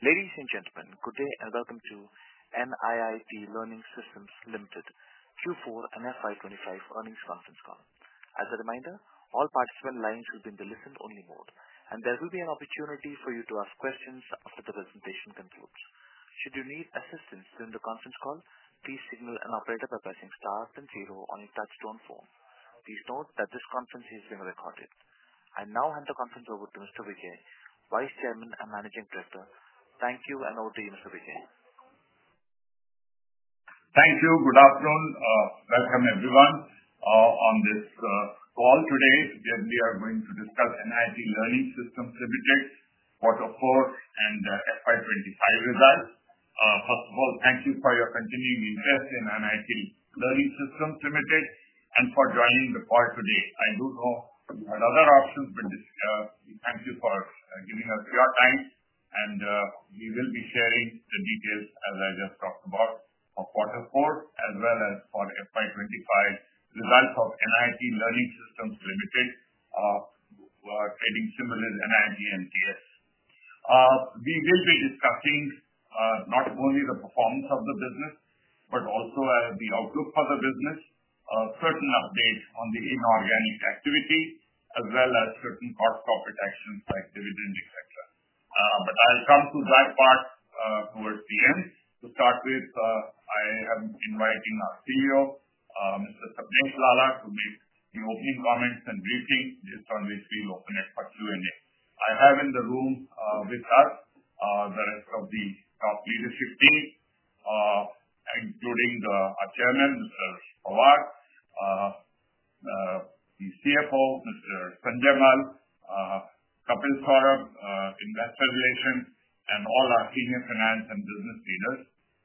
Ladies and gentlemen, good day and welcome to NIIT Learning Systems Q4 and FY25 earnings conference call. As a reminder, all participant lines will be in the listen-only mode, and there will be an opportunity for you to ask questions after the presentation concludes. Should you need assistance during the conference call, please signal an operator by pressing star then zero on your touchstone phone. Please note that this conference is being recorded. I now hand the conference over to Mr. Vijay, Vice Chairman and Managing Director. Thank you and over to you, Mr. Vijay. Thank you. Good afternoon. Welcome, everyone, on this call today. We are going to discuss NIIT Learning Systems Quarter 4 and FY25 results. First of all, thank you for your continuing interest in NIIT Learning Systems and for joining the call today. I do know you had other options, but thank you for giving us your time. We will be sharing the details, as I just talked about, of Quarter 4 as well as for FY25 results of NIIT Learning Systems, trading symbols NIITMTS.NS. We will be discussing not only the performance of the business, but also the outlook for the business, certain updates on the inorganic activity, as well as certain cost-profit actions like dividend, etc. I will come to that part towards the end. To start with, I am inviting our CEO, Mr. Sapnesh Lalla, to make the opening comments and briefing, based on which we will open it for Q&A. I have in the room with us the rest of the top leadership team, including our Chairman, Mr. Pawar, the CFO, Mr. Sanjay Mal, Kapil Saurabh, Investor Relations, and all our senior finance and business leaders.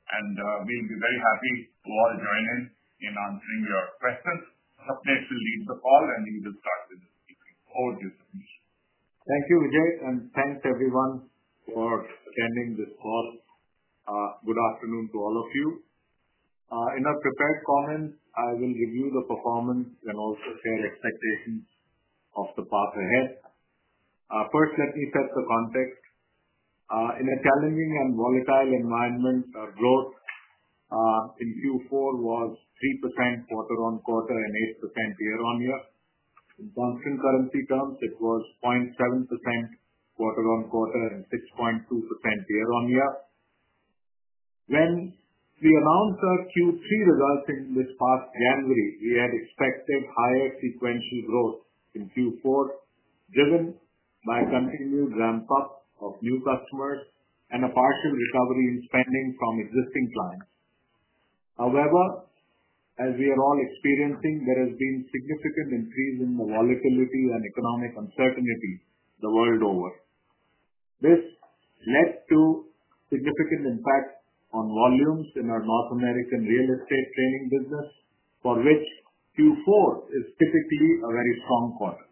We will be very happy to all join in answering your questions. Sapnesh will lead the call, and he will start with the briefing. Over to you, Sapnesh. Thank you, Vijay, and thanks, everyone, for attending this call. Good afternoon to all of you. In our prepared comments, I will review the performance and also share expectations of the path ahead. First, let me set the context. In a challenging and volatile environment, our growth in Q4 was 3% quarter-on-quarter and 8% year-on-year. In constant currency terms, it was 0.7% quarter-on-quarter and 6.2% year-on-year. When we announced our Q3 results in this past January, we had expected higher sequential growth in Q4, driven by a continued ramp-up of new customers and a partial recovery in spending from existing clients. However, as we are all experiencing, there has been a significant increase in the volatility and economic uncertainty the world over. This led to a significant impact on volumes in our North American real estate training business, for which Q4 is typically a very strong quarter.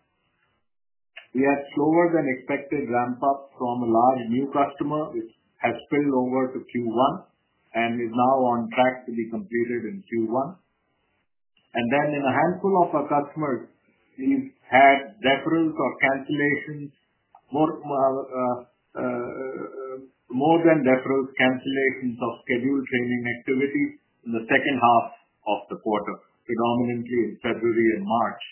We had a slower-than-expected ramp-up from a large new customer, which has spilled over to Q1 and is now on track to be completed in Q1. In a handful of our customers, we've had deferrals or cancellations, more than deferrals, cancellations of scheduled training activity in the second half of the quarter, predominantly in February and March.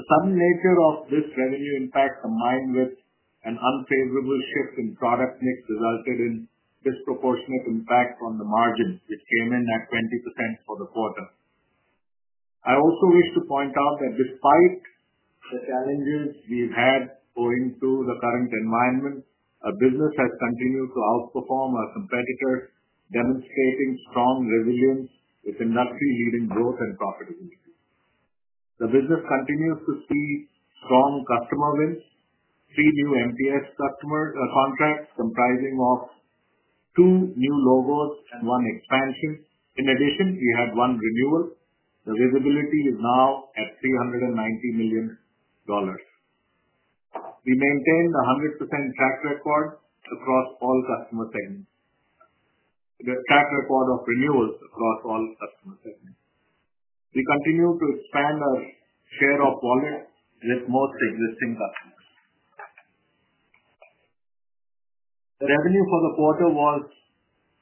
The sudden nature of this revenue impact, combined with an unfavorable shift in product mix, resulted in a disproportionate impact on the margin, which came in at 20% for the quarter. I also wish to point out that despite the challenges we've had going to the current environment, our business has continued to outperform our competitors, demonstrating strong resilience with industry-leading growth and profitability. The business continues to see strong customer wins, three new MTS contracts comprising of two new logos and one expansion. In addition, we had one renewal. The visibility is now at $390 million. We maintain a 100% track record across all customer segments, a track record of renewals across all customer segments. We continue to expand our share of wallet with most existing customers. The revenue for the quarter was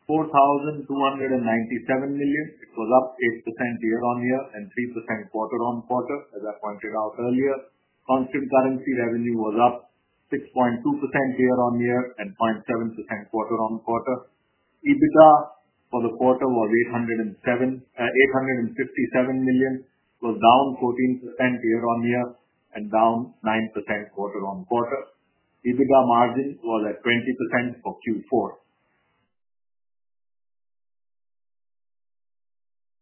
4,297 million. It was up 8% year-on-year and 3% quarter-on-quarter, as I pointed out earlier. Constant currency revenue was up 6.2% year-on-year and 0.7% quarter-on-quarter. EBITDA for the quarter was 857 million, was down 14% year-on-year and down 9% quarter-on-quarter. EBITDA margin was at 20% for Q4.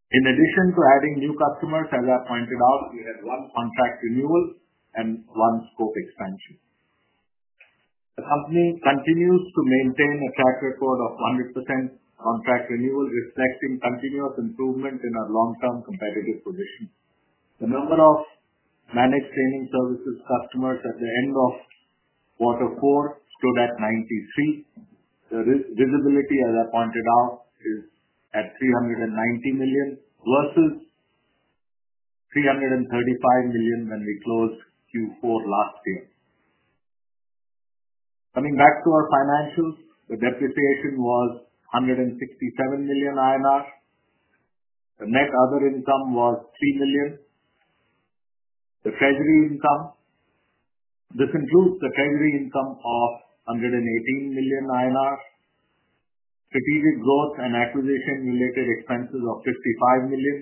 In addition to adding new customers, as I pointed out, we had one contract renewal and one scope expansion. The company continues to maintain a track record of 100% contract renewal, reflecting continuous improvement in our long-term competitive position. The number of managed training services customers at the end of Q4 stood at 93. The visibility, as I pointed out, is at $390 million vs $335 million when we closed Q4 last year. Coming back to our financials, the depreciation was 167 million INR. The net other income was 3 million. The treasury income, this includes the treasury income of 118 million INR, strategic growth and acquisition-related expenses of 55 million,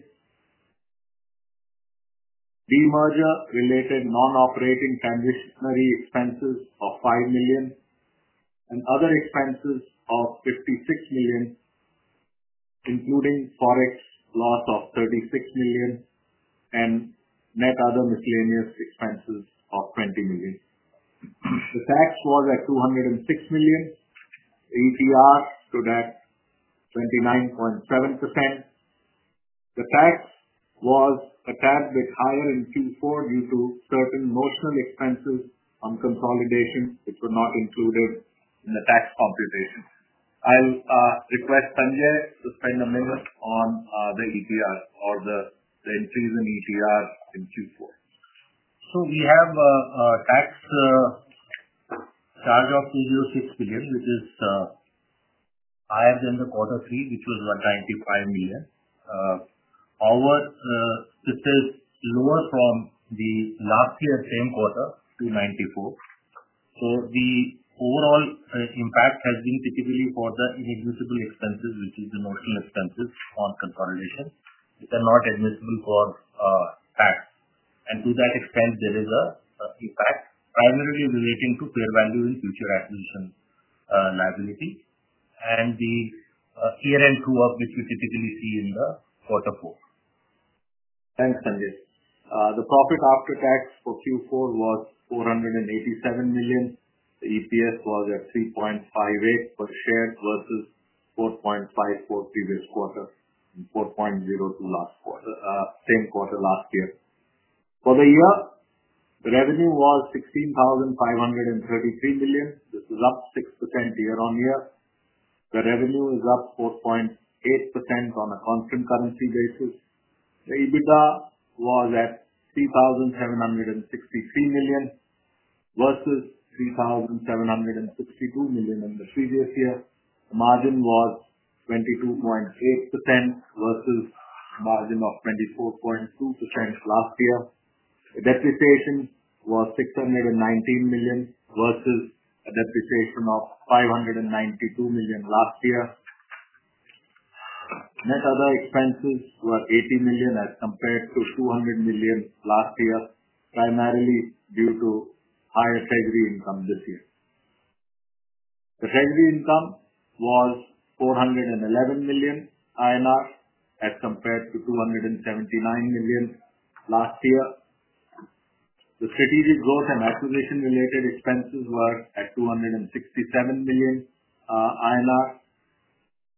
de-merger-related non-operating transitionary expenses of 5 million, and other expenses of 56 million, including forex loss of 36 million and net other miscellaneous expenses of 20 million. The tax was at 206 million. ETR stood at 29.7%. The tax was a tax bit higher in Q4 due to certain notional expenses on consolidation, which were not included in the tax computation. I'll request Sanjay to spend a minute on the ETR or the increase in ETR in Q4. We have a tax charge of 206 million, which is higher than the Q3, which was 195 million. However, this is lower from the last year, same quarter, to 194 million. The overall impact has been typically for the inadmissible expenses, which is the notional expenses on consolidation. These are not admissible for tax. To that extent, there is an impact primarily relating to fair value and future acquisition liability and the year-end co-op, which we typically see in the Q4. Thanks, Sanjay. The profit after tax for Q4 was 487 million. The EPS was at 3.58 per share versus 4.54 previous quarter, 4.02 last quarter, same quarter last year. For the year, the revenue was 16,533 million. This is up 6% year-on-year. The revenue is up 4.8% on a constant currency basis. The EBITDA was at 3,763 million versus 3,762 million in the previous year. The margin was 22.8% versus a margin of 24.2% last year. The depreciation was 619 million versus a depreciation of 592 million last year. Net other expenses were 80 million as compared to 200 million last year, primarily due to higher treasury income this year. The treasury income was 411 million INR as compared to 279 million last year. The strategic growth and acquisition-related expenses were at INR 267 million.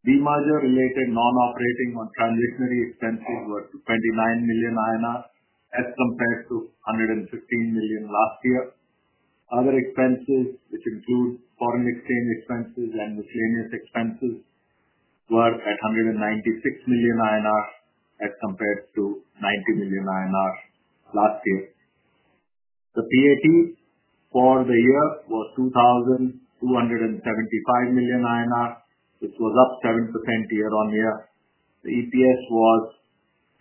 Demerger-related non-operating or transitionary expenses were 29 million INR as compared to 115 million last year. Other expenses, which include foreign exchange expenses and miscellaneous expenses, were at 196 million INR as compared to 90 million INR last year. The PAT for the year was 2,275 million INR, which was up 7% year-on-year. The EPS was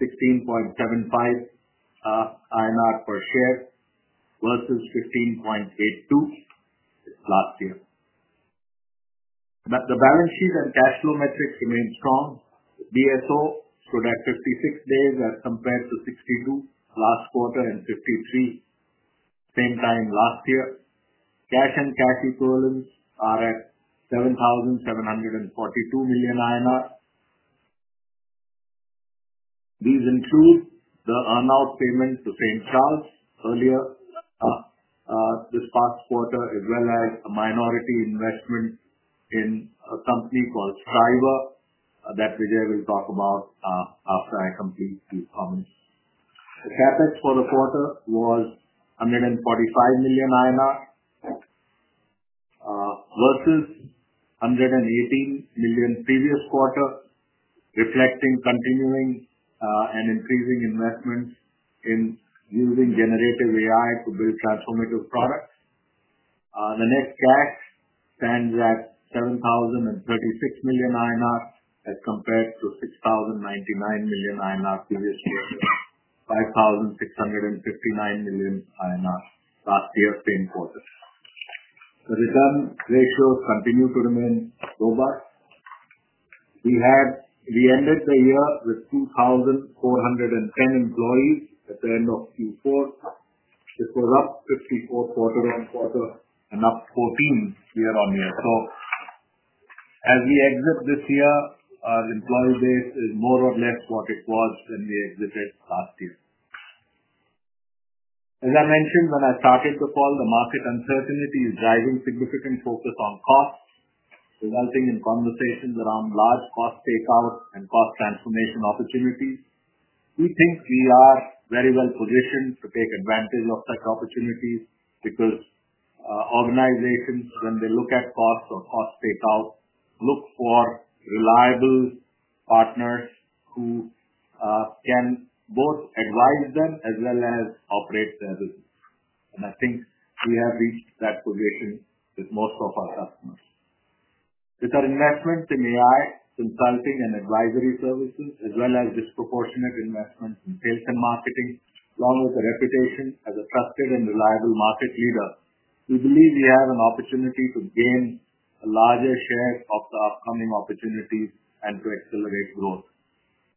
16.75 INR per share versus 15.82 last year. The balance sheet and cash flow metrics remained strong. BSO stood at 56 days as compared to 62 last quarter and 53 same time last year. Cash and cash equivalents are at INR 7,742 million. These include the earn-out payment to St. Charles earlier this past quarter, as well as a minority investment in a company called Strivr that Vijay will talk about after I complete these comments. The CapEx for the quarter was 145 million INR versus 118 million previous quarter, reflecting continuing and increasing investments in using generative AI to build transformative products. The net cash stands at 7,036 million INR as compared to 6,099 million INR previous year, 5,659 million INR last year, same quarter. The return ratios continue to remain robust. We ended the year with 2,410 employees at the end of Q4. This was up 54 quarter-on-quarter and up 14 year-on-year. As we exit this year, our employee base is more or less what it was when we exited last year. As I mentioned, when I started the call, the market uncertainty is driving significant focus on costs, resulting in conversations around large cost takeout and cost transformation opportunities. We think we are very well positioned to take advantage of such opportunities because organizations, when they look at costs or cost takeout, look for reliable partners who can both advise them as well as operate their business. I think we have reached that position with most of our customers. With our investments in AI consulting and advisory services, as well as disproportionate investments in sales and marketing, along with the reputation as a trusted and reliable market leader, we believe we have an opportunity to gain a larger share of the upcoming opportunities and to accelerate growth.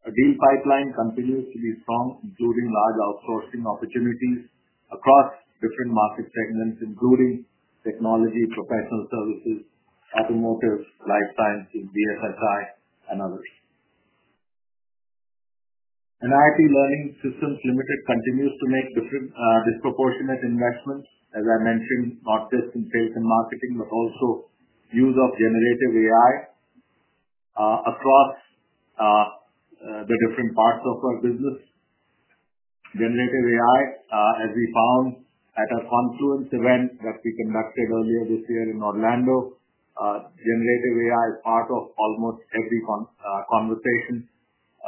Our deal pipeline continues to be strong, including large outsourcing opportunities across different market segments, including technology, professional services, automotive, life sciences, BSSI, and others. NIIT Learning Systems Limited continues to make disproportionate investments, as I mentioned, not just in sales and marketing, but also use of generative AI across the different parts of our business. Generative AI, as we found at a Confluence event that we conducted earlier this year in Orlando, generative AI is part of almost every conversation.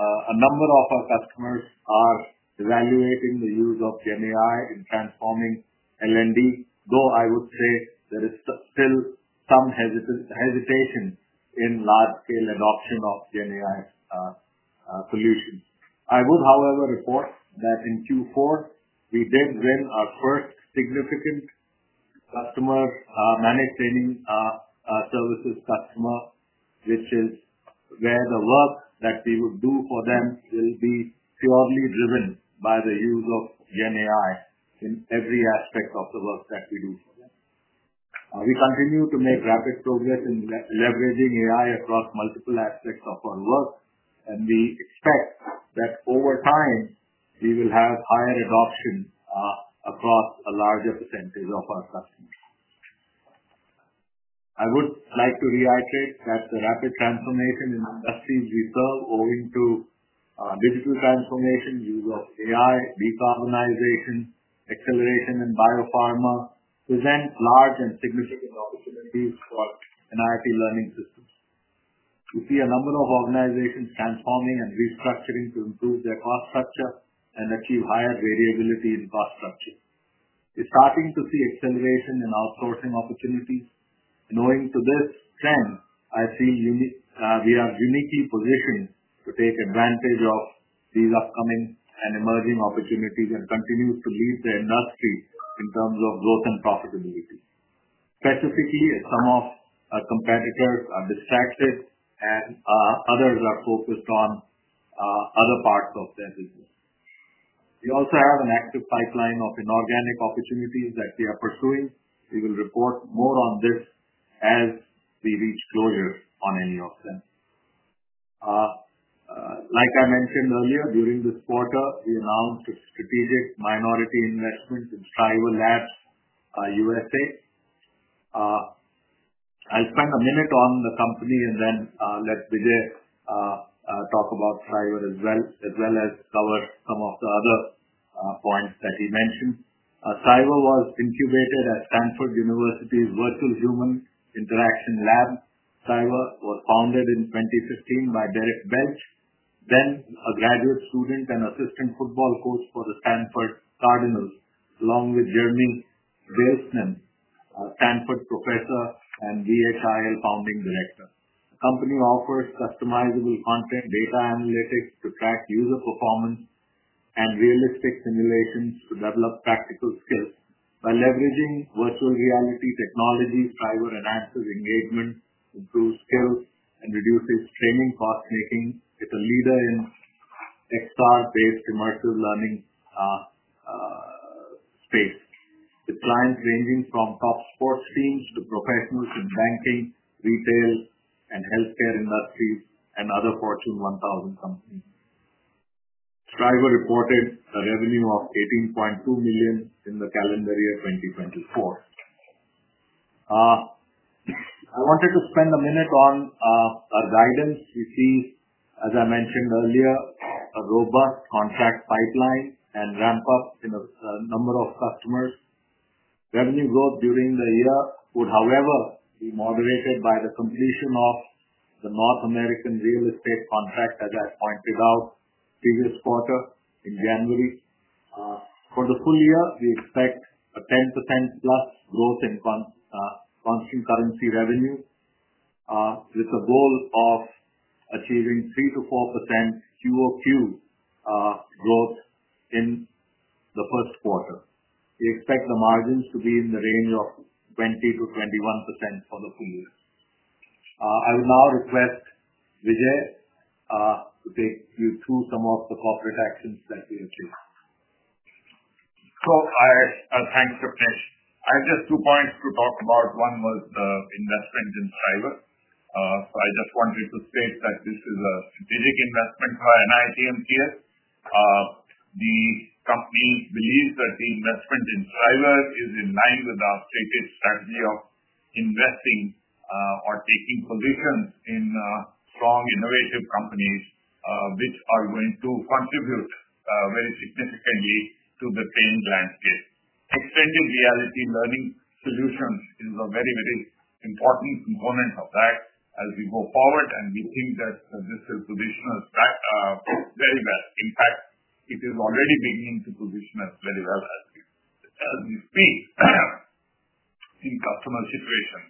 A number of our customers are evaluating the use of GenAI in transforming L&D, though I would say there is still some hesitation in large-scale adoption of GenAI solutions. I would, however, report that in Q4, we did win our first significant managed training services customer, which is where the work that we would do for them will be purely driven by the use of GenAI in every aspect of the work that we do for them. We continue to make rapid progress in leveraging AI across multiple aspects of our work, and we expect that over time, we will have higher adoption across a larger percentage of our customers. I would like to reiterate that the rapid transformation in the industries we serve, owing to digital transformation, use of AI, decarbonization, acceleration, and biopharma, present large and significant opportunities for NIIT Learning Systems. We see a number of organizations transforming and restructuring to improve their cost structure and achieve higher variability in cost structure. We're starting to see acceleration in outsourcing opportunities. Owing to this trend, I feel we are uniquely positioned to take advantage of these upcoming and emerging opportunities and continue to lead the industry in terms of growth and profitability, specifically as some of our competitors are distracted and others are focused on other parts of their business. We also have an active pipeline of inorganic opportunities that we are pursuing. We will report more on this as we reach closure on any of them. Like I mentioned earlier, during this quarter, we announced a strategic minority investment in Strivr Labs USA. I'll spend a minute on the company and then let Vijay talk about Strivr as well, as well as cover some of the other points that he mentioned. Strivr was incubated at Stanford University's Virtual Human Interaction Lab. Strivr was founded in 2015 by Derek Belch, then a graduate student and assistant football coach for the Stanford Cardinals, along with Jeremy Bailenson, Stanford professor and VHIL founding director. The company offers customizable content, data analytics to track user performance, and realistic simulations to develop practical skills. By leveraging virtual reality technologies, Strivr enhances engagement, improves skills, and reduces training cost making. It's a leader in XR-based immersive learning space with clients ranging from top sports teams to professionals in banking, retail, and healthcare industries, and other Fortune 1000 companies. Strivr reported a revenue of $18.2 million in the calendar year 2024. I wanted to spend a minute on our guidance. We see, as I mentioned earlier, a robust contract pipeline and ramp-up in a number of customers. Revenue growth during the year would, however, be moderated by the completion of the North American real estate contract, as I pointed out previous quarter in January. For the full year, we expect a 10% plus growth in constant currency revenue with the goal of achieving 3-4% QOQ growth in the first quarter. We expect the margins to be in the range of 20%-21% for the full year. I will now request Vijay to take you through some of the corporate actions that we have taken. I have time to finish. I have just two points to talk about. One was the investment in Strivr. I just wanted to state that this is a strategic investment for NIITMTS. The company believes that the investment in Strivr is in line with our stated strategy of investing or taking positions in strong, innovative companies which are going to contribute very significantly to the training landscape. Extended reality learning solutions is a very, very important component of that as we go forward, and we think that this will position us very well. In fact, it is already beginning to position us very well as we speak in customer situations.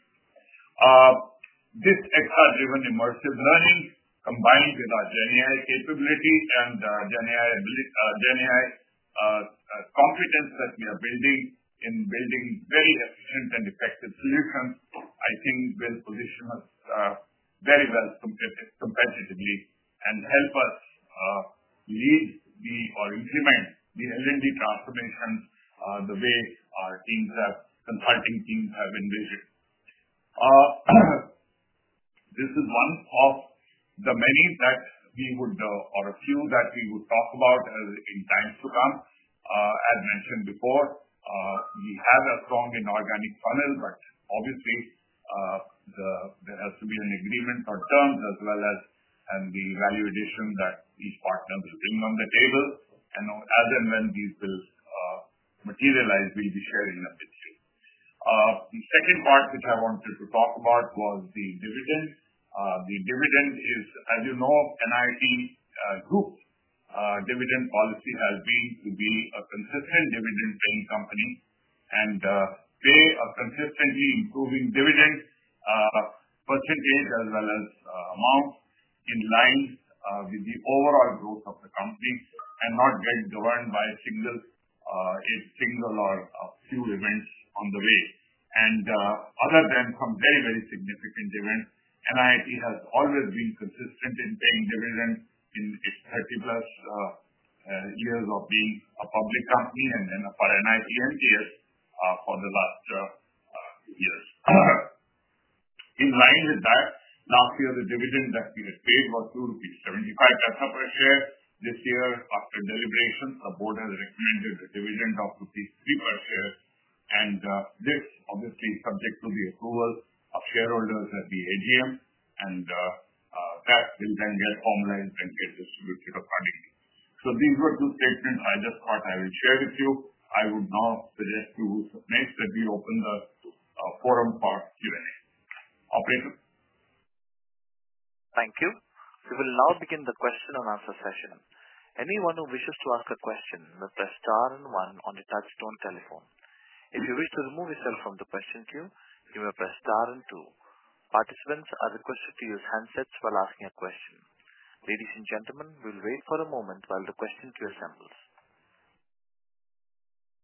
This XR-driven immersive learning, combined with our GenAI capability and GenAI competence that we are building in building very efficient and effective solutions, I think will position us very well competitively and help us lead the or implement the L&D transformations the way our consulting teams have envisioned. This is one of the many that we would, or a few that we would talk about in times to come. As mentioned before, we have a strong inorganic funnel, but obviously, there has to be an agreement on terms as well as the value addition that each partner will bring on the table. As and when these will materialize, we'll be sharing them with you. The second part which I wanted to talk about was the dividend. The dividend is, as you know, an IT group. Dividend policy has been to be a consistent dividend-paying company and pay a consistently improving dividend % as well as amount in line with the overall growth of the company and not get governed by a single or a few events on the way. Other than some very, very significant events, NIIT has always been consistent in paying dividends in its 30-plus years of being a public company and then for NIIT MTS for the last few years. In line with that, last year, the dividend that we had paid was 2.75 rupees per share. This year, after deliberations, the board has recommended a dividend of rupees 3.30 per share. This, obviously, is subject to the approval of shareholders at the AGM, and that will then get formalized and get distributed accordingly. These were two statements I just thought I would share with you. I would now suggest to Ms. Sapnesh that we open the forum for Q&A. Operator. Thank you. We will now begin the question and answer session. Anyone who wishes to ask a question may press Star and One on the touchstone telephone. If you wish to remove yourself from the question queue, you may press Star and Two. Participants are requested to use handsets while asking a question. Ladies and gentlemen, we'll wait for a moment while the question queue assembles.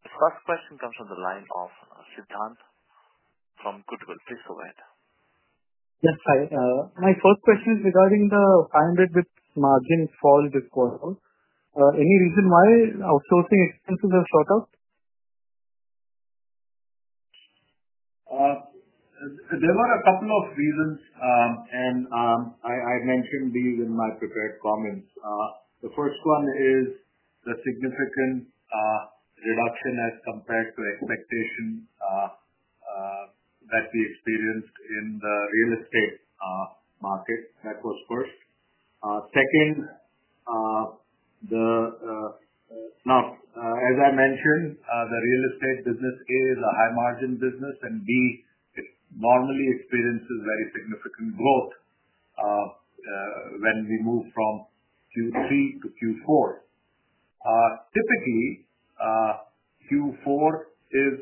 The first question comes from the line of Siddhanth from Goodwill. Please go ahead. Yes, hi. My first question is regarding the 500 with margin fall disposal. Any reason why outsourcing expenses have shot up? There were a couple of reasons, and I mentioned these in my prepared comments. The first one is the significant reduction as compared to expectation that we experienced in the real estate market. That was first. Second, as I mentioned, the real estate business A is a high-margin business, and B normally experiences very significant growth when we move from Q3 to Q4. Typically, Q4 is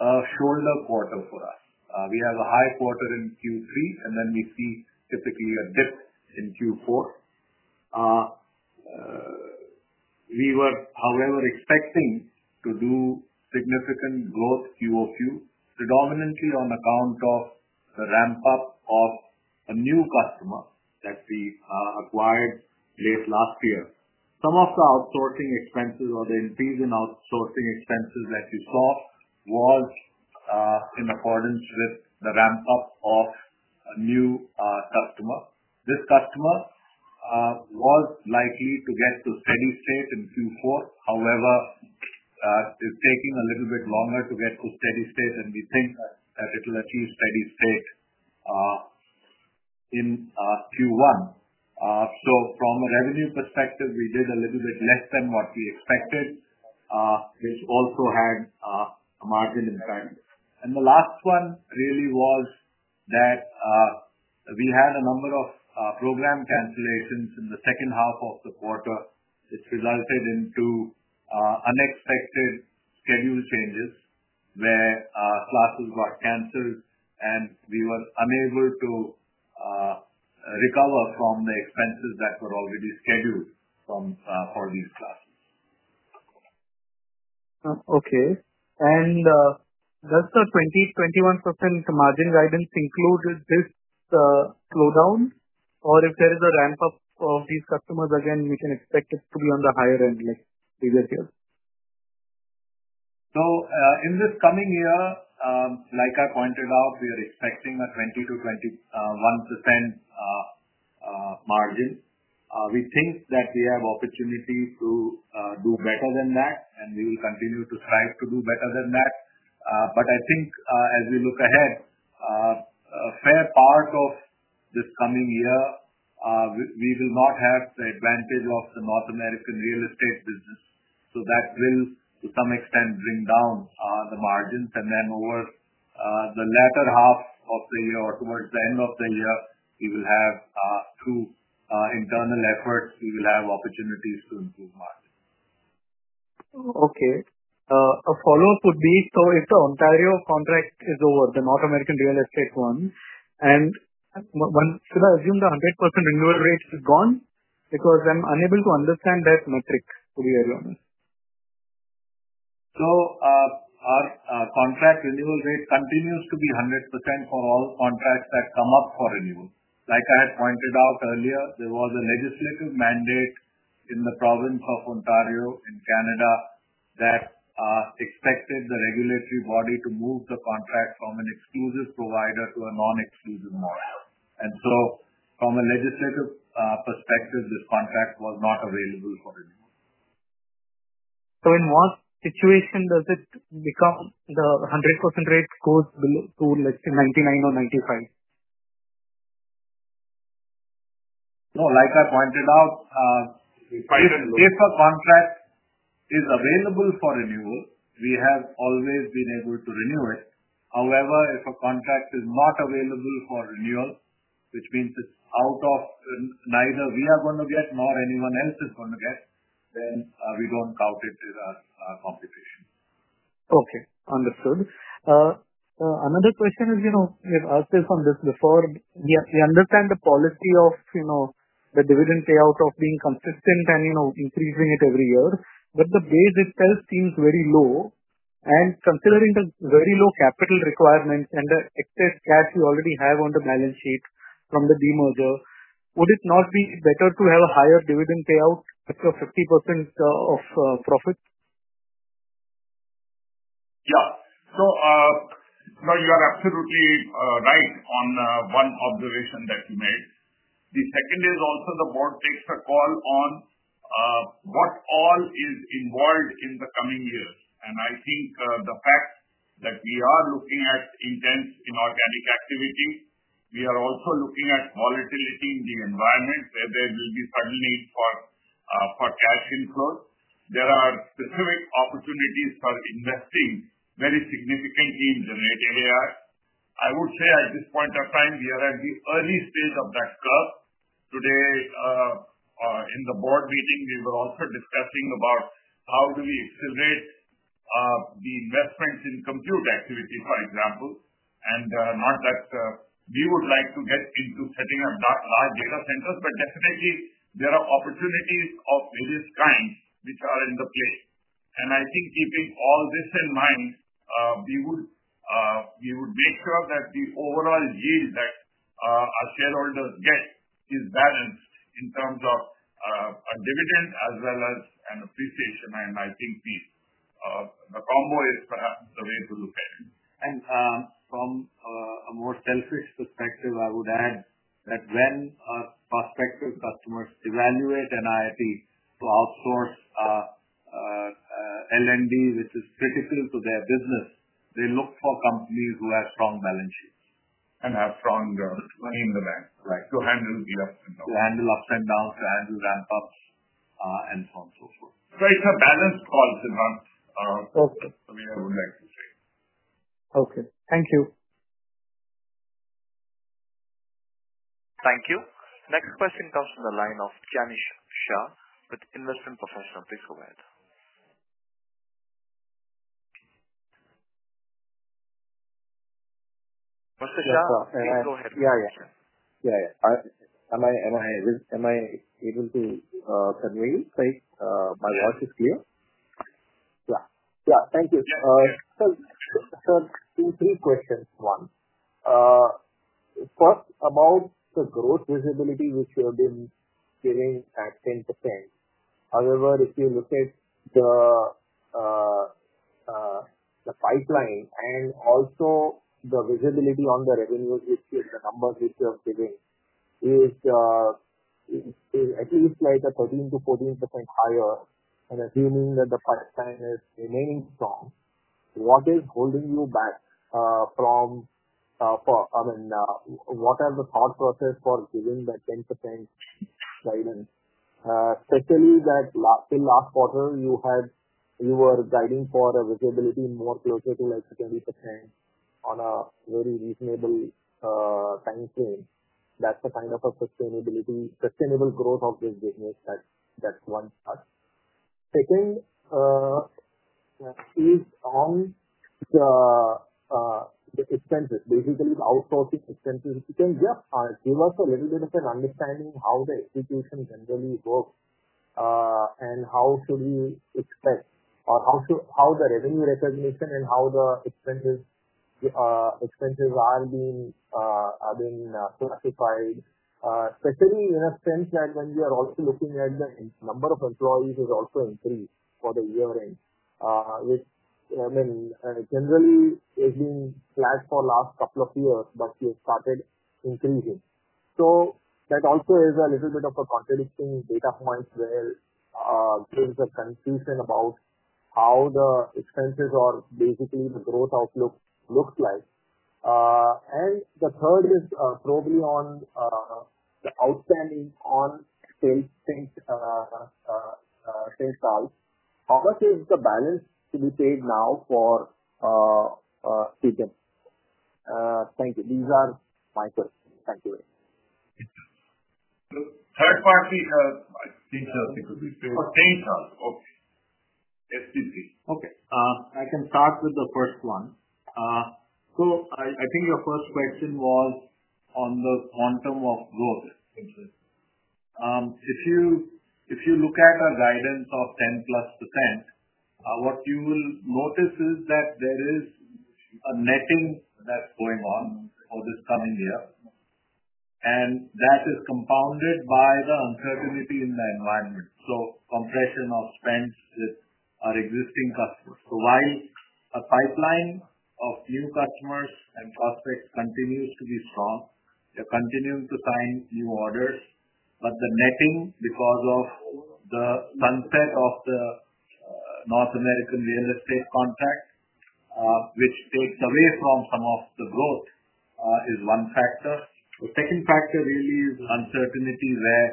a shoulder quarter for us. We have a high quarter in Q3, and then we see typically a dip in Q4. We were, however, expecting to do significant growth QOQ, predominantly on account of the ramp-up of a new customer that we acquired late last year. Some of the outsourcing expenses or the increase in outsourcing expenses that you saw was in accordance with the ramp-up of a new customer. This customer was likely to get to steady state in Q4. However, it's taking a little bit longer to get to steady state, and we think that it will achieve steady state in Q1. From a revenue perspective, we did a little bit less than what we expected. This also had a margin impact. The last one really was that we had a number of program cancellations in the second half of the quarter, which resulted in two unexpected schedule changes where classes got canceled, and we were unable to recover from the expenses that were already scheduled for these classes. Okay. Does the 20%-21% margin guidance include this slowdown? Or if there is a ramp-up of these customers again, we can expect it to be on the higher end like previous years? In this coming year, like I pointed out, we are expecting a 20%-21% margin. We think that we have opportunity to do better than that, and we will continue to strive to do better than that. I think as we look ahead, a fair part of this coming year, we will not have the advantage of the North American real estate business. That will, to some extent, bring down the margins. Then over the latter half of the year or towards the end of the year, we will have two internal efforts. We will have opportunities to improve margins. Okay. A follow-up would be, if the Ontario contract is over, the North American real estate one, should I assume the 100% renewal rate is gone? Because I'm unable to understand that metric, to be very honest. Our contract renewal rate continues to be 100% for all contracts that come up for renewal. Like I had pointed out earlier, there was a legislative mandate in the province of Ontario in Canada that expected the regulatory body to move the contract from an exclusive provider to a non-exclusive model. From a legislative perspective, this contract was not available for renewal. In what situation does it become the 100% rate goes to, let's say, 99 or 95? No, like I pointed out, if a contract is available for renewal, we have always been able to renew it. However, if a contract is not available for renewal, which means it's out of neither we are going to get nor anyone else is going to get, then we don't count it in our computation. Okay. Understood. Another question is, I've said some of this before. We understand the policy of the dividend payout of being consistent and increasing it every year, but the base itself seems very low. Considering the very low capital requirements and the excess cash you already have on the balance sheet from the demerger, would it not be better to have a higher dividend payout after 50% of profit? Yeah. No, you are absolutely right on one observation that you made. The second is also the board takes a call on what all is involved in the coming years. I think the fact that we are looking at intense inorganic activity, we are also looking at volatility in the environment where there will be sudden need for cash inflows. There are specific opportunities for investing very significantly in generative AI. I would say at this point of time, we are at the early stage of that curve. Today, in the board meeting, we were also discussing about how do we accelerate the investments in compute activity, for example. Not that we would like to get into setting up large data centers, but definitely, there are opportunities of various kinds which are in the play. I think keeping all this in mind, we would make sure that the overall yield that our shareholders get is balanced in terms of a dividend as well as an appreciation. I think the combo is perhaps the way to look at it. From a more selfish perspective, I would add that when prospective customers evaluate NIIT to outsource L&D, which is critical to their business, they look for companies who have strong balance sheets and have strong money in the bank to handle the ups and downs, to handle ramp-ups, and so on and so forth. It is a balanced call, Siddharth, we would like to say. Okay. Thank you. Thank you. Next question comes from the line of Janish Shah with Investment Professional. Please go ahead. Mr. Shah, please go ahead. Yeah, yeah. Am I able to convey? My voice is clear? Yeah. Thank you. Two questions. One, first, about the growth visibility which you have been giving at 10%. However, if you look at the pipeline and also the visibility on the revenue, the numbers which you have given is at least like a 13%-14% higher. And assuming that the pipeline is remaining strong, what is holding you back from, I mean, what are the thought process for giving that 10% guidance? Especially that till last quarter, you were guiding for a visibility more closer to like 20% on a very reasonable time frame. That's the kind of sustainable growth of this business that one starts. Second is on the expenses, basically the outsourcing expenses. You can give us a little bit of an understanding how the execution generally works and how should we expect or how the revenue recognition and how the expenses are being classified, especially in a sense that when we are also looking at the number of employees has also increased for the year-end, which, I mean, generally has been flat for the last couple of years, but we have started increasing. That also is a little bit of a contradicting data point where there is a confusion about how the expenses or basically the growth outlook looks like. The third is probably on the outstanding on St. Charles t. How much is the balance to be paid now for Sijan? Thank you. These are my questions. Thank you very much. Third party, I think St. Charles could be St. Charles. Okay. STP. Okay. I can start with the first one. I think your first question was on the quantum of growth. If you look at a guidance of 10% plus, what you will notice is that there is a netting that is going on for this coming year, and that is compounded by the uncertainty in the environment. Compression of spends with our existing customers. While a pipeline of new customers and prospects continues to be strong, they are continuing to sign new orders. The netting because of the sunset of the North American real estate contract, which takes away from some of the growth, is one factor. The second factor really is uncertainty where,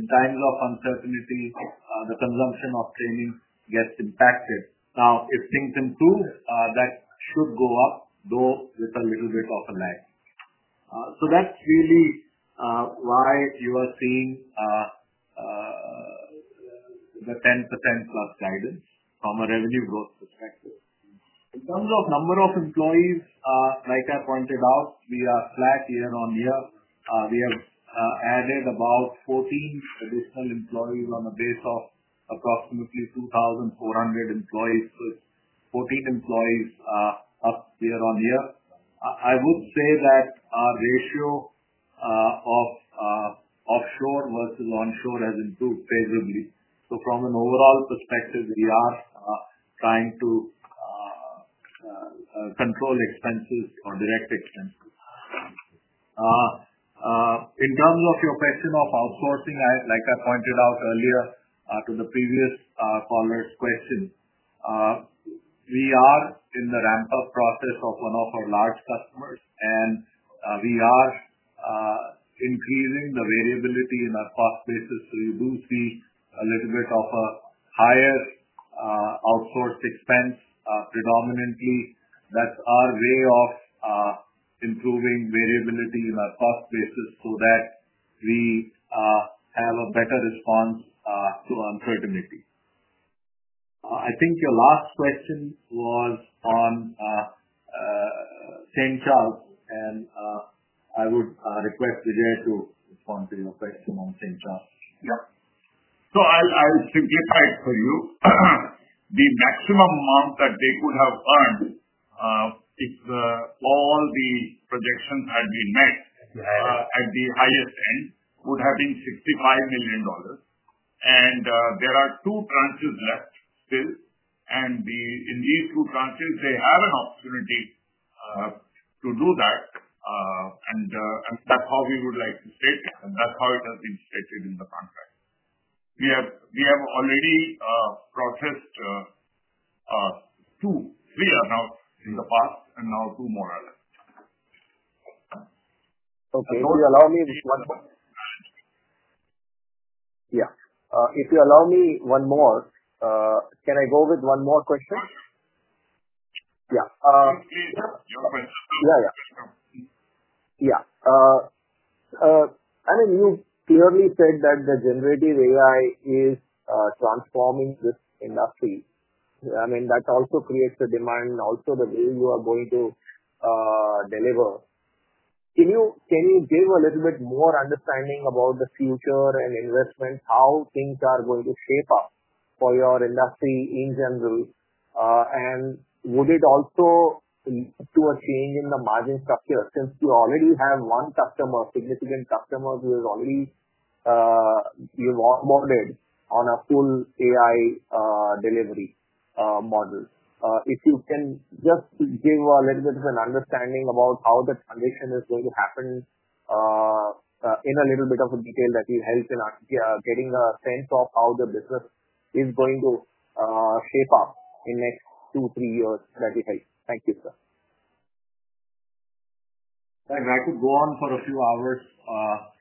in times of uncertainty, the consumption of training gets impacted. If things improve, that should go up, though with a little bit of a lag. That's really why you are seeing the 10% plus guidance from a revenue growth perspective. In terms of number of employees, like I pointed out, we are flat year-on-year. We have added about 14 additional employees on a base of approximately 2,400 employees. It is 14 employees up year-on-year. I would say that our ratio of offshore versus onshore has improved favorably. From an overall perspective, we are trying to control expenses or direct expenses. In terms of your question of outsourcing, like I pointed out earlier to the previous caller's question, we are in the ramp-up process of one of our large customers, and we are increasing the variability in our cost basis. You do see a little bit of a higher outsourced expense predominantly. That is our way of improving variability in our cost basis so that we have a better response to uncertainty. I think your last question was on St. Charles, and I would request Vijay to respond to your question on St. Charles. Yeah. I'll simplify it for you. The maximum amount that they could have earned if all the projections had been met at the highest end would have been $65 million. There are two tranches left still. In these two tranches, they have an opportunity to do that. That's how we would like to state it. That's how it has been stated in the contract. We have already processed two. Three are now in the past and now two more are left. Okay. Allow me one more. If you allow me one more, can I go with one more question? Please. Your question. Yeah, yeah. I mean, you clearly said that the generative AI is transforming this industry. I mean, that also creates a demand, also the way you are going to deliver. Can you give a little bit more understanding about the future and investment, how things are going to shape up for your industry in general? Would it also lead to a change in the margin structure since you already have one customer, significant customer, who has already been onboarded on a full AI delivery model? If you can just give a little bit of an understanding about how the transition is going to happen in a little bit of a detail that will help in getting a sense of how the business is going to shape up in the next two, three years that we have. Thank you, sir. I could go on for a few hours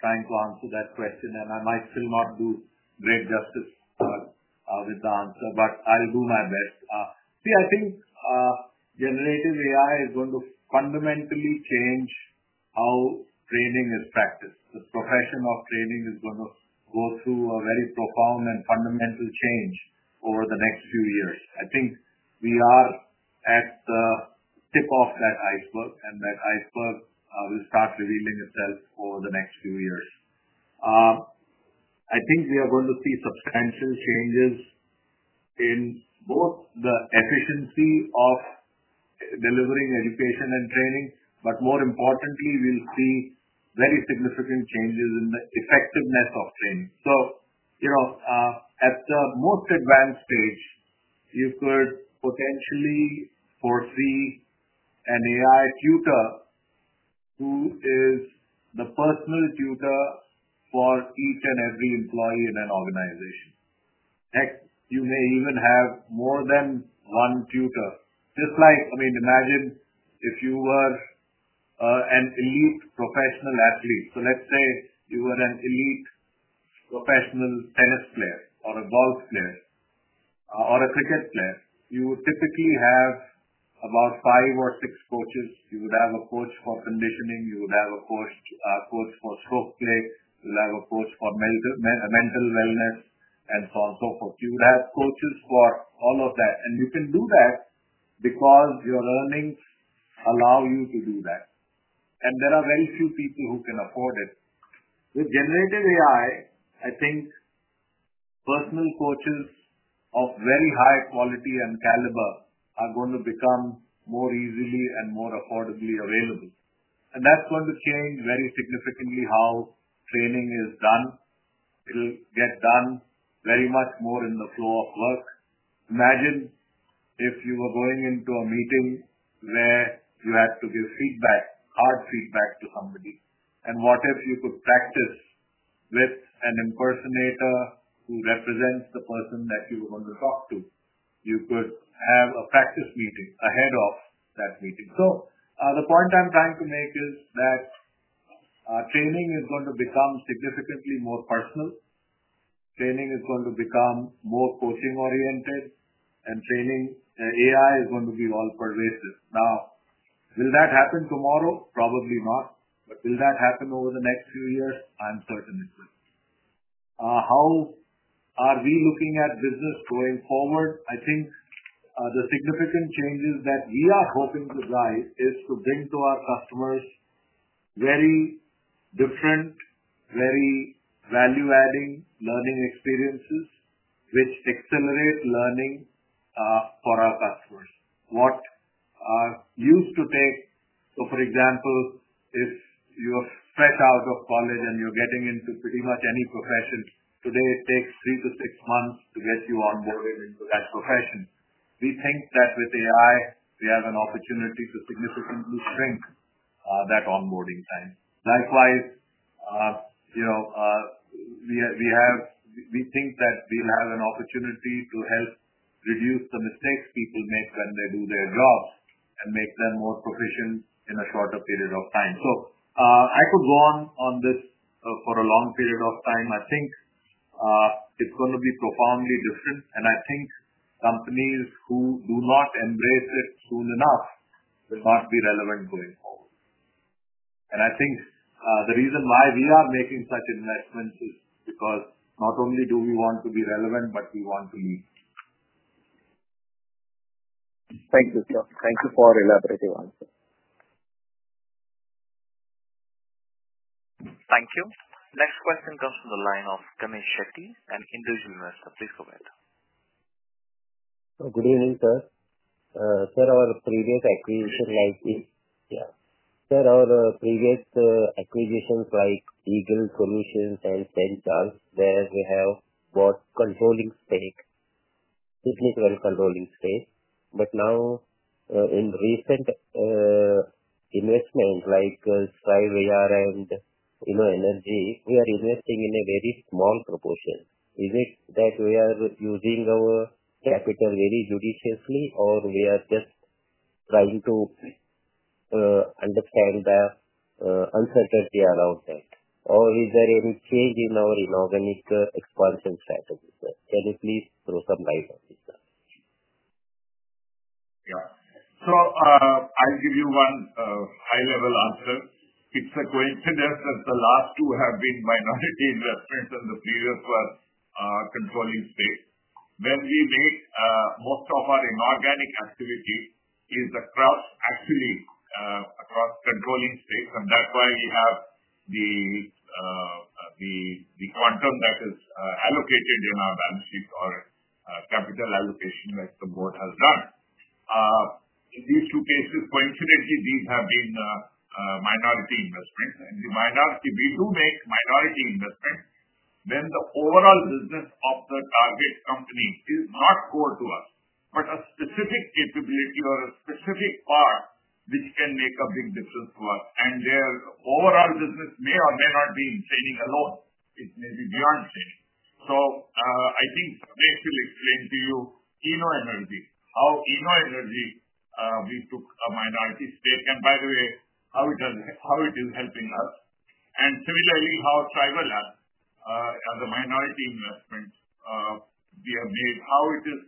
trying to answer that question, and I might still not do great justice with the answer, but I'll do my best. See, I think generative AI is going to fundamentally change how training is practiced. The profession of training is going to go through a very profound and fundamental change over the next few years. I think we are at the tip of that iceberg, and that iceberg will start revealing itself over the next few years. I think we are going to see substantial changes in both the efficiency of delivering education and training, but more importantly, we'll see very significant changes in the effectiveness of training. At the most advanced stage, you could potentially foresee an AI tutor who is the personal tutor for each and every employee in an organization. Heck, you may even have more than one tutor. Just like, I mean, imagine if you were an elite professional athlete. Let's say you were an elite professional tennis player or a golf player or a cricket player. You would typically have about five or six coaches. You would have a coach for conditioning. You would have a coach for stroke play. You would have a coach for mental wellness and so on and so forth. You would have coaches for all of that. You can do that because your earnings allow you to do that. There are very few people who can afford it. With generative AI, I think personal coaches of very high quality and caliber are going to become more easily and more affordably available. That is going to change very significantly how training is done. It'll get done very much more in the flow of work. Imagine if you were going into a meeting where you had to give feedback, hard feedback to somebody. What if you could practice with an impersonator who represents the person that you are going to talk to? You could have a practice meeting ahead of that meeting. The point I'm trying to make is that training is going to become significantly more personal. Training is going to become more coaching-oriented, and training AI is going to be all pervasive. Now, will that happen tomorrow? Probably not. Will that happen over the next few years? I'm certain it will. How are we looking at business going forward? I think the significant changes that we are hoping to drive is to bring to our customers very different, very value-adding learning experiences which accelerate learning for our customers. What used to take—for example, if you are fresh out of college and you're getting into pretty much any profession, today it takes three to six months to get you onboarded into that profession. We think that with AI, we have an opportunity to significantly shrink that onboarding time. Likewise, we think that we'll have an opportunity to help reduce the mistakes people make when they do their jobs and make them more proficient in a shorter period of time. I could go on, on this for a long period of time. I think it's going to be profoundly different. I think companies who do not embrace it soon enough will not be relevant going forward. I think the reason why we are making such investments is because not only do we want to be relevant, but we want to lead. Thank you, sir. Thank you for elaborating on it. Thank you. Next question comes from the line of Ganesh Shetty, an individual investor. Please go ahead. Good evening, sir. Sir, our previous acquisitions like Eagle Solutions and Centalliance, where we have bought significant controlling stake. But now, in recent investments like Strivr and Inno Energy, we are investing in a very small proportion. Is it that we are using our capital very judiciously, or we are just trying to understand the uncertainty around that? Or is there any change in our inorganic expansion strategy? Can you please throw some light on this? Yeah. I'll give you one high-level answer. It's a coincidence that the last two have been minority investments and the previous were controlling stake. When we make most of our inorganic activity, it is actually across controlling stakes, and that's why we have the quantum that is allocated in our balance sheet or capital allocation that the board has done. In these two cases, coincidentally, these have been minority investments. The minority—we do make minority investments when the overall business of the target company is not core to us, but a specific capability or a specific part which can make a big difference to us. Their overall business may or may not be in training alone. It may be beyond training. I think Sijapnesh will explain to you Inno Energy, how Inno Energy—we took a minority stake, and by the way, how it is helping us. Similarly, how Cyberlabs, as a minority investment we have made, how it is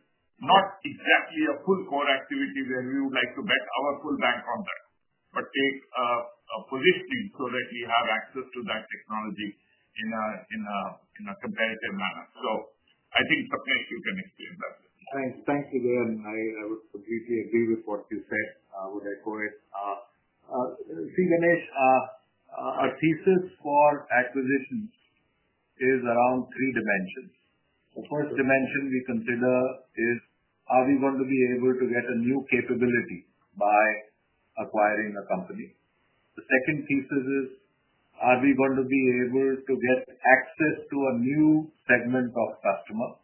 not exactly a full core activity where we would like to bet our full bank on that, but take a positioning so that we have access to that technology in a competitive manner. I think Sapnesh, you can explain that. Thanks. Thank you again. I would completely agree with what you said. I would echo it. See, Ganesh, our thesis for acquisitions is around three dimensions. The first dimension we consider is, are we going to be able to get a new capability by acquiring a company? The second thesis is, are we going to be able to get access to a new segment of customer?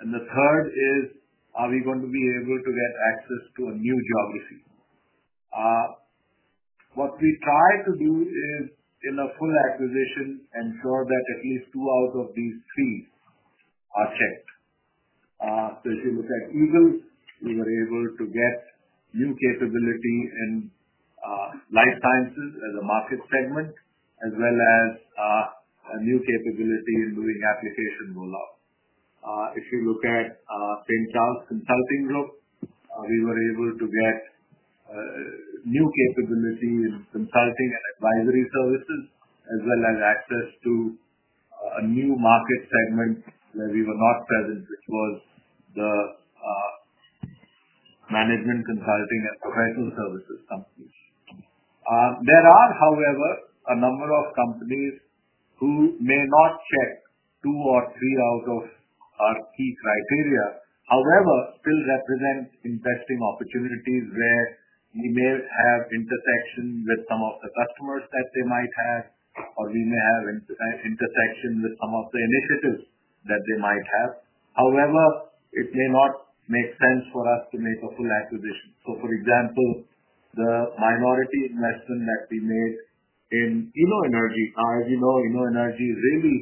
And the third is, are we going to be able to get access to a new geography? What we try to do is, in a full acquisition, ensure that at least two out of these three are checked. If you look at Eagle, we were able to get new capability in life sciences as a market segment, as well as a new capability in doing application rollout. If you look at Centalliance Consulting Group, we were able to get new capability in consulting and advisory services, as well as access to a new market segment where we were not present, which was the management consulting and professional services companies. There are, however, a number of companies who may not check two or three out of our key criteria, however, still represent investing opportunities where we may have intersection with some of the customers that they might have, or we may have intersection with some of the initiatives that they might have. However, it may not make sense for us to make a full acquisition. For example, the minority investment that we made in Inno Energy, now, as you know, Inno Energy is really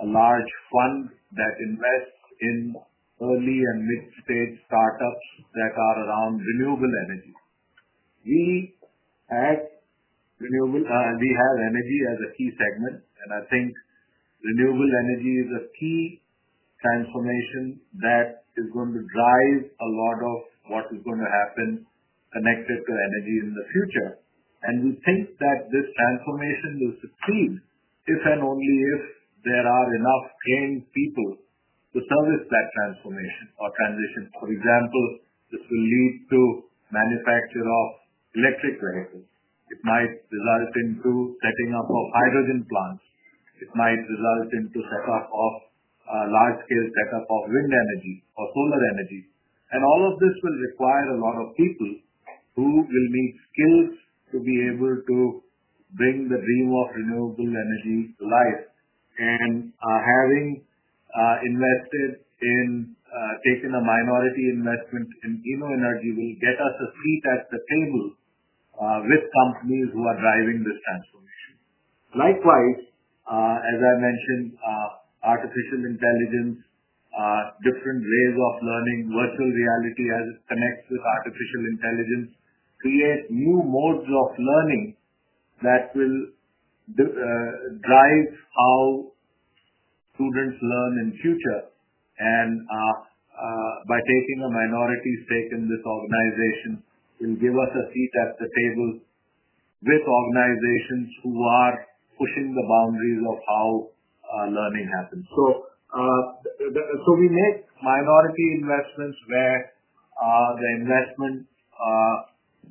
a large fund that invests in early and mid-stage startups that are around renewable energy. We have energy as a key segment, and I think renewable energy is a key transformation that is going to drive a lot of what is going to happen connected to energy in the future. We think that this transformation will succeed if and only if there are enough trained people to service that transformation or transition. For example, this will lead to manufacture of electric vehicles. It might result in setting up of hydrogen plants. It might result in large-scale setup of wind energy or solar energy. All of this will require a lot of people who will need skills to be able to bring the dream of renewable energy to life. Having invested in taking a minority investment in Inno Energy will get us a seat at the table with companies who are driving this transformation. Likewise, as I mentioned, artificial intelligence, different ways of learning, virtual reality as it connects with artificial intelligence create new modes of learning that will drive how students learn in the future. By taking a minority stake in this organization, it will give us a seat at the table with organizations who are pushing the boundaries of how learning happens. We make minority investments where the investment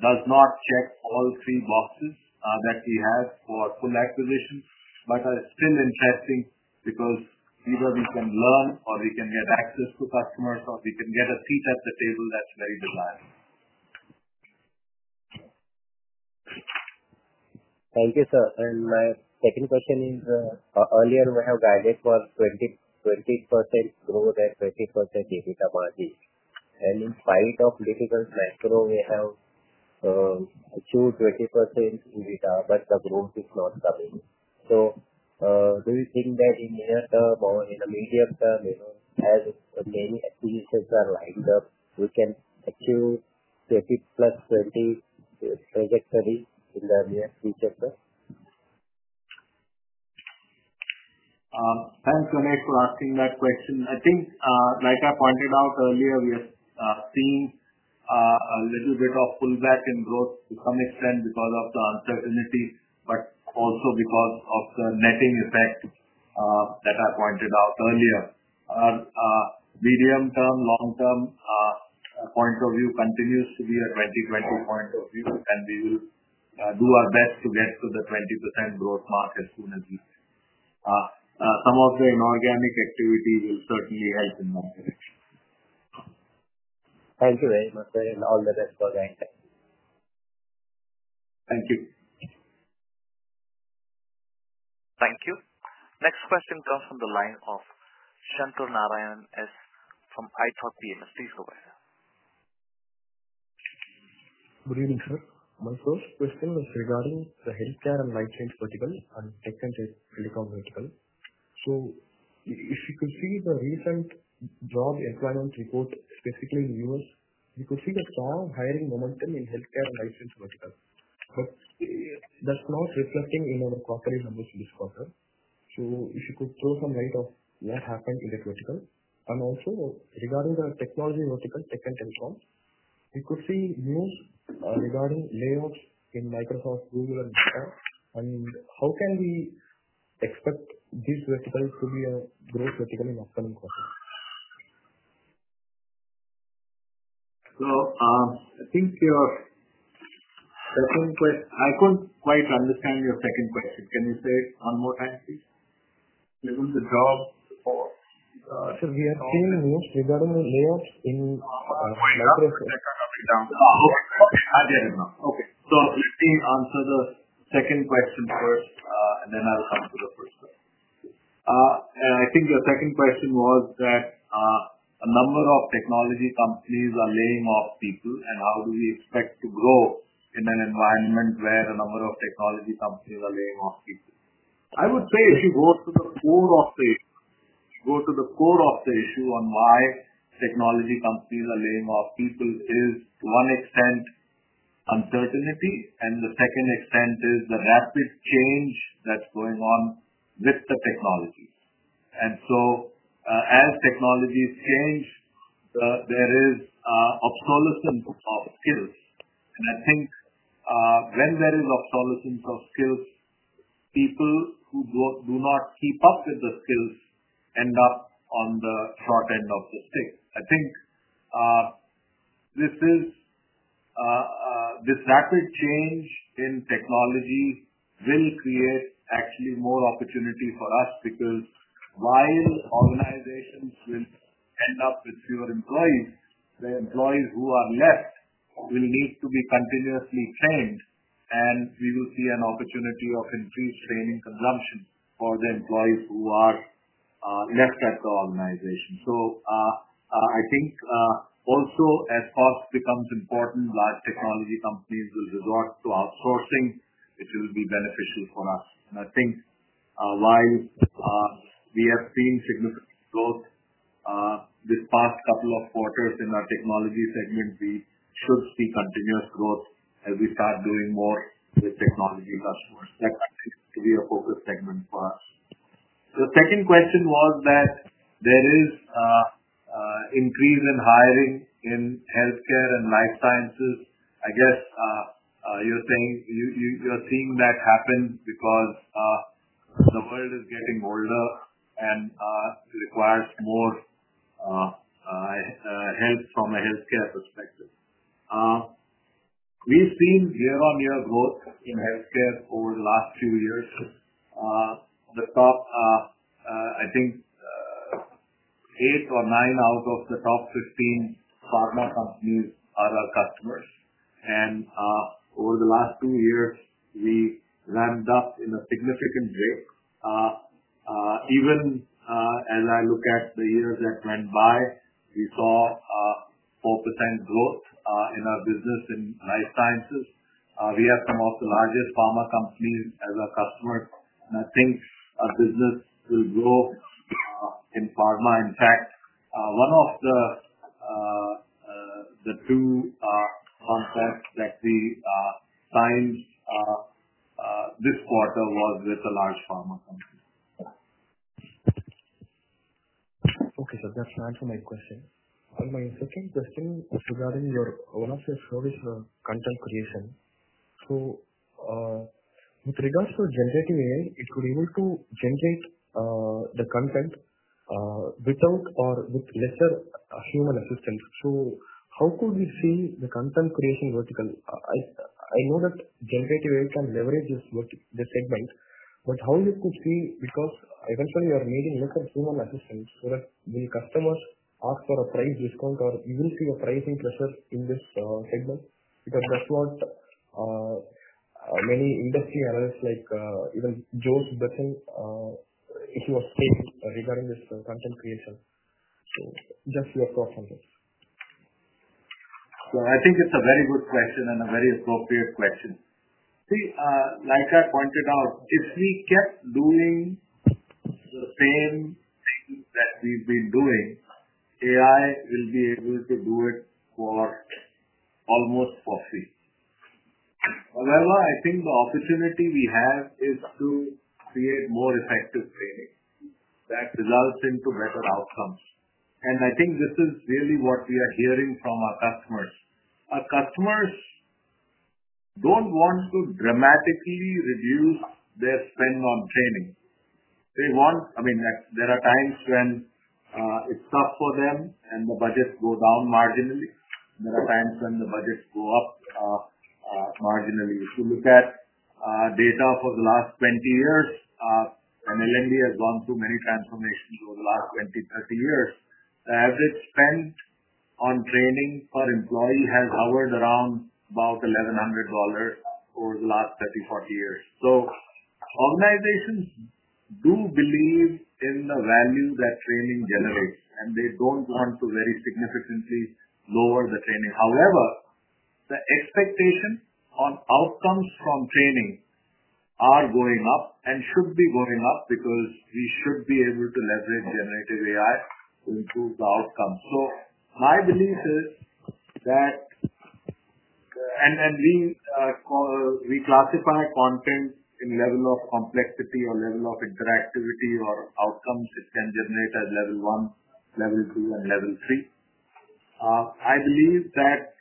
does not check all three boxes that we have for full acquisition, but are still interesting because either we can learn or we can get access to customers or we can get a seat at the table that's very desirable. Thank you, sir. My second question is, earlier we have guided for 20% growth and 20% EBITDA margin. In spite of difficult macro, we have achieved 20% EBITDA, but the growth is not coming. Do you think that in near term or in the medium term, as many acquisitions are lined up, we can achieve 20 plus trajectory in the near future, sir? Thanks, Ganesh, for asking that question. I think, like I pointed out earlier, we have seen a little bit of pullback in growth to some extent because of the uncertainty, but also because of the netting effect that I pointed out earlier. Our medium-term, long-term point of view continues to be a 2020 point of view, and we will do our best to get to the 20% growth mark as soon as we can. Some of the inorganic activity will certainly help in that direction. Thank you very much, sir, and all the best for the interview. Thank you. Thank you. Next question comes from the line of Shantar Narayanan from ITOR PMS. Please go ahead. Good evening, sir. My first question is regarding the healthcare and life science vertical and tech and telecom vertical. If you could see the recent job employment report, specifically in the U.S., you could see a strong hiring momentum in healthcare and life science vertical. That is not reflecting in our quarterly numbers this quarter. If you could throw some light on what happened in that vertical. Also, regarding the technology vertical, tech and telecom, we could see news regarding layoffs in Microsoft, Google, and Meta. How can we expect this vertical to be a growth vertical in the upcoming quarter? I think your second question—I couldn't quite understand your second question. Can you say it one more time, please? Isn't the job or? Sir, we have seen news regarding the layoffs in. I'll point out. Okay. Let me answer the second question first, and then I'll come to the first question. I think your second question was that a number of technology companies are laying off people, and how do we expect to grow in an environment where a number of technology companies are laying off people? I would say if you go to the core of the issue, if you go to the core of the issue on why technology companies are laying off people is, to one extent, uncertainty, and the second extent is the rapid change that's going on with the technology. As technologies change, there is obsolescence of skills. I think when there is obsolescence of skills, people who do not keep up with the skills end up on the short end of the stick. I think this rapid change in technology will create actually more opportunity for us because while organizations will end up with fewer employees, the employees who are left will need to be continuously trained, and we will see an opportunity of increased training consumption for the employees who are left at the organization. I think also, as cost becomes important, large technology companies will resort to outsourcing. It will be beneficial for us. I think while we have seen significant growth this past couple of quarters in our technology segment, we should see continuous growth as we start doing more with technology customers. That is actually going to be a focus segment for us. The second question was that there is an increase in hiring in healthcare and life sciences. I guess you're saying you're seeing that happen because the world is getting older and requires more help from a healthcare perspective. We've seen year-on-year growth in healthcare over the last few years. The top, I think, eight or nine out of the top 15 pharma companies are our customers. Over the last two years, we ramped up in a significant way. Even as I look at the years that went by, we saw 4% growth in our business in life sciences. We have some of the largest pharma companies as our customers, and I think our business will grow in pharma. In fact, one of the two contracts that we signed this quarter was with a large pharma company. Okay. So that's my final question. My second question is regarding one of your stories of content creation. With regards to generative AI, it could be able to generate the content without or with lesser human assistance. How could we see the content creation vertical? I know that generative AI can leverage this segment, but how you could see because eventually you are needing lesser human assistance so that when customers ask for a price discount or you will see a pricing pressure in this segment because that's what many industry analysts, like even Bill Bush, he was saying regarding this content creation. Just your thoughts on this. I think it's a very good question and a very appropriate question. See, like I pointed out, if we kept doing the same things that we've been doing, AI will be able to do it almost for free. However, I think the opportunity we have is to create more effective training that results in better outcomes. I think this is really what we are hearing from our customers. Our customers don't want to dramatically reduce their spend on training. I mean, there are times when it's tough for them and the budgets go down marginally. There are times when the budgets go up marginally. If you look at data for the last 20 years, and L&D has gone through many transformations over the last 20, 30 years, the average spend on training per employee has hovered around about $1,100 over the last 30, 40 years. Organizations do believe in the value that training generates, and they don't want to very significantly lower the training. However, the expectation on outcomes from training is going up and should be going up because we should be able to leverage generative AI to improve the outcome. My belief is that—and we classify content in level of complexity or level of interactivity or outcomes it can generate at level one, level two, and level three. I believe that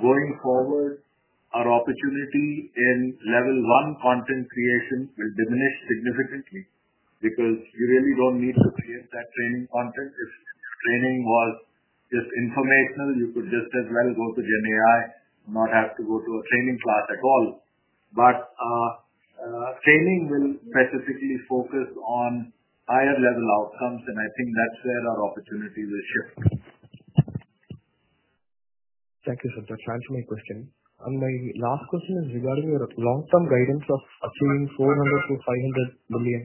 going forward, our opportunity in level one content creation will diminish significantly because you really don't need to create that training content. If training was just informational, you could just as well go to GenAI and not have to go to a training class at all. Training will specifically focus on higher-level outcomes, and I think that's where our opportunity will shift. Thank you, sir. That is my final question. My last question is regarding your long-term guidance of achieving $400 million-$500 million.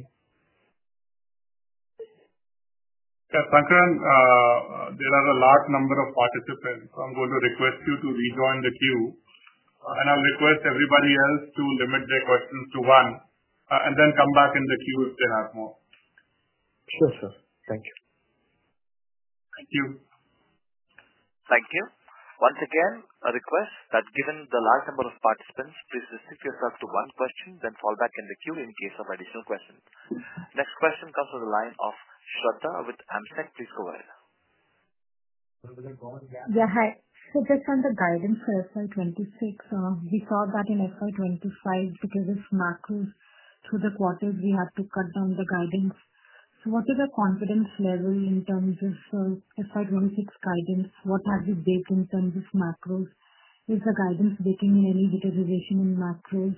Yeah. Sankaran, there are a large number of participants. I'm going to request you to rejoin the queue. I'll request everybody else to limit their questions to one and then come back in the queue if there are more. Sure, sir. Thank you. Thank you. Thank you. Once again, a request that given the large number of participants, please restrict yourself to one question, then fall back in the queue in case of additional questions. Next question comes from the line of Shwetha with Amseq. Please go ahead. Yeah. Hi. So just on the guidance for FY2026, we saw that in FY2025, because of macros, through the quarters, we had to cut down the guidance. What is the confidence level in terms of FY2026 guidance? What has it baked in terms of macros? Is the guidance baking in any digitization in macros?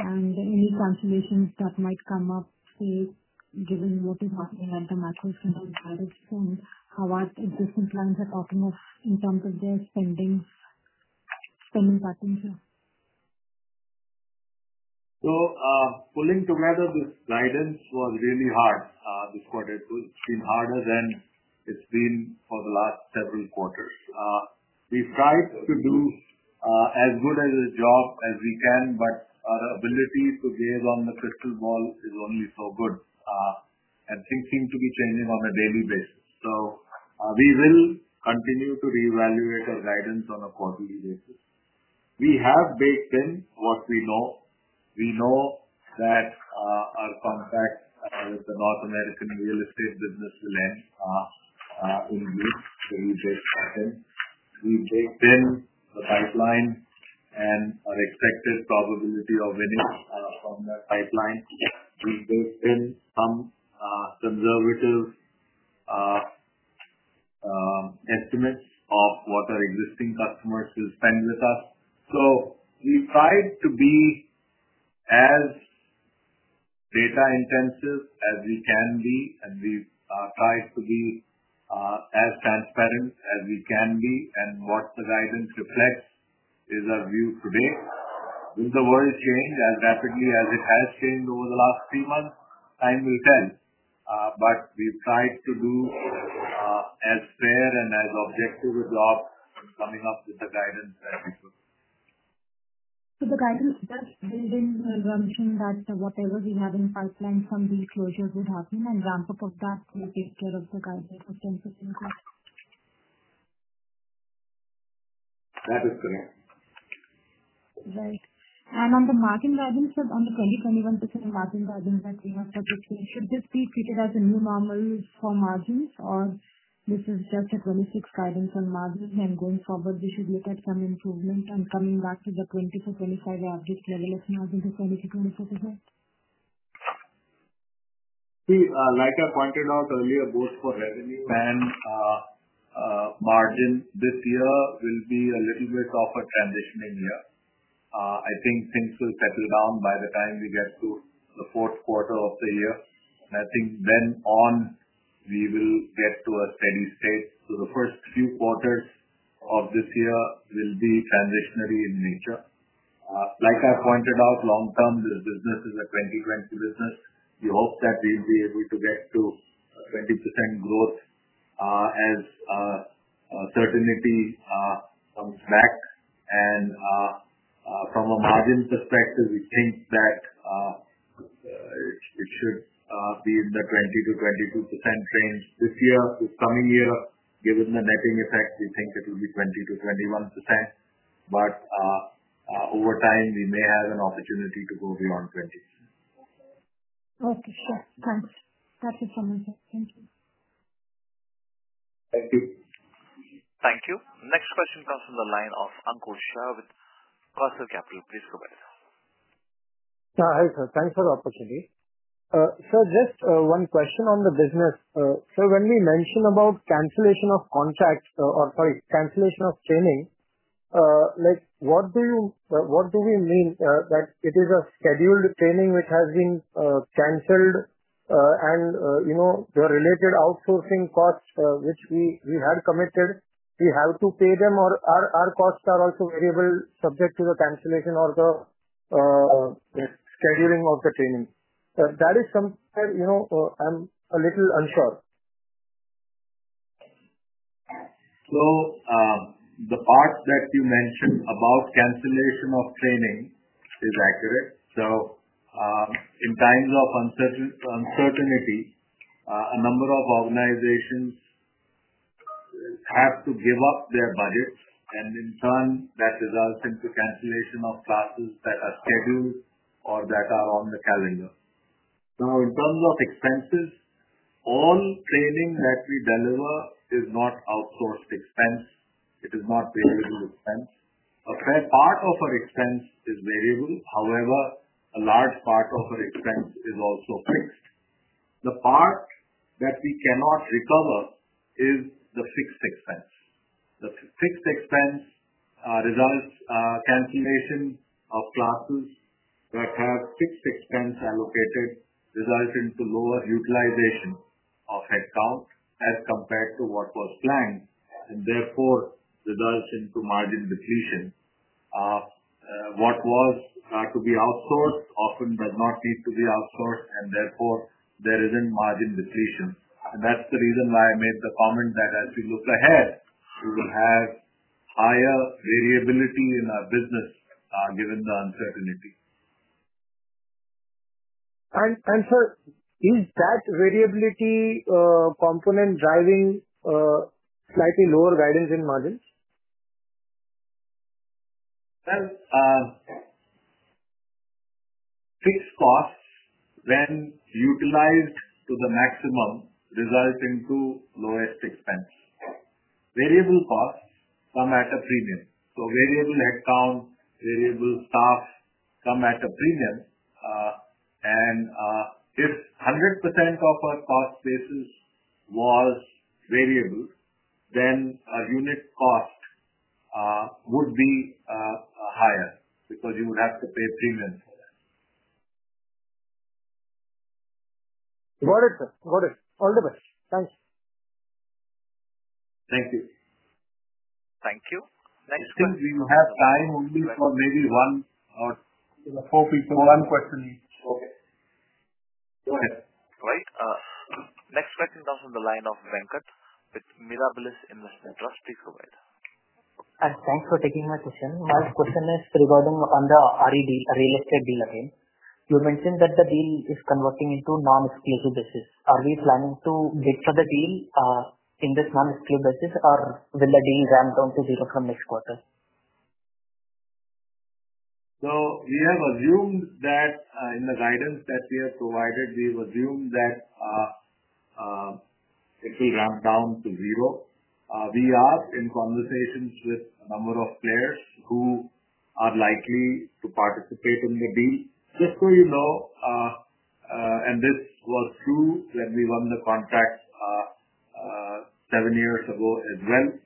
Any cancellations that might come up, given what is happening at the macros and guidance, and how our existing plans are talking of in terms of their spending patterns? Pulling together this guidance was really hard this quarter. It's been harder than it's been for the last several quarters. We've tried to do as good a job as we can, but our ability to gaze on the crystal ball is only so good. Things seem to be changing on a daily basis. We will continue to reevaluate our guidance on a quarterly basis. We have baked in what we know. We know that our contract with the North American real estate business will end in June, the rebate pattern. We've baked in the pipeline and our expected probability of winning from that pipeline. We've baked in some conservative estimates of what our existing customers will spend with us. We've tried to be as data-intensive as we can be, and we've tried to be as transparent as we can be. What the guidance reflects is our view today. Will the world change as rapidly as it has changed over the last three months? Time will tell. We have tried to do as fair and as objective a job coming up with the guidance as we could. The guidance does build in the assumption that whatever we have in pipeline, some closures would happen, and ramp up of that will take care of the guidance of 10% growth. That is correct. Right. On the margin guidance, on the 2021 margin guidance that we have for this year, should this be treated as a new normal for margins, or is this just a 26 guidance on margins, and going forward, should we look at some improvement and coming back to the 2024-2025 average level of margin to 20%-24%? See, like I pointed out earlier, both for revenue and margin, this year will be a little bit of a transitioning year. I think things will settle down by the time we get to the fourth quarter of the year. I think then on, we will get to a steady state. The first few quarters of this year will be transitionary in nature. Like I pointed out, long-term, this business is a 20-20 business. We hope that we'll be able to get to 20% growth as certainty comes back. From a margin perspective, we think that it should be in the 20%-22% range this year. This coming year, given the netting effect, we think it will be 20%-21%. Over time, we may have an opportunity to go beyond 20%. Okay. Sure. Thanks. That's it from my side. Thank you. Thank you. Thank you. Next question comes from the line of Ankur Shah with Carsell Capital. Please go ahead. Hi, sir. Thanks for the opportunity. Sir, just one question on the business. Sir, when we mention about cancellation of contracts or, sorry, cancellation of training, what do we mean? That it is a scheduled training which has been canceled and the related outsourcing costs which we had committed, we have to pay them, or are our costs also variable subject to the cancellation or the scheduling of the training? That is something I'm a little unsure. The part that you mentioned about cancellation of training is accurate. In times of uncertainty, a number of organizations have to give up their budget, and in turn, that results in cancellation of classes that are scheduled or that are on the calendar. Now, in terms of expenses, all training that we deliver is not outsourced expense. It is not variable expense. A fair part of our expense is variable. However, a large part of our expense is also fixed. The part that we cannot recover is the fixed expense. The fixed expense results in cancellation of classes that have fixed expense allocated, resulting in lower utilization of headcount as compared to what was planned, and therefore results in margin depletion. What was to be outsourced often does not need to be outsourced, and therefore there is not margin depletion. That's the reason why I made the comment that as we look ahead, we will have higher variability in our business given the uncertainty. Is that variability component driving slightly lower guidance in margins? Fixed costs, when utilized to the maximum, result in lowest expense. Variable costs come at a premium. Variable headcount, variable staff come at a premium. If 100% of our cost basis was variable, then our unit cost would be higher because you would have to pay premium for that. Got it, sir. Got it. All the best. Thanks. Thank you. Thank you. Next question. We have time only for maybe one or four people. One question each. Okay. Go ahead. All right. Next question comes from the line of Venkat with Mirabilis Investment Trust. Please go ahead. Thanks for taking my question. My question is regarding the RE deal, real estate deal again. You mentioned that the deal is converting into non-exclusive basis. Are we planning to bid for the deal in this non-exclusive basis, or will the deal ramp down to zero from next quarter? We have assumed that in the guidance that we have provided, we've assumed that it will ramp down to zero. We are in conversations with a number of players who are likely to participate in the deal. Just so you know, and this was true when we won the contract seven years ago as well.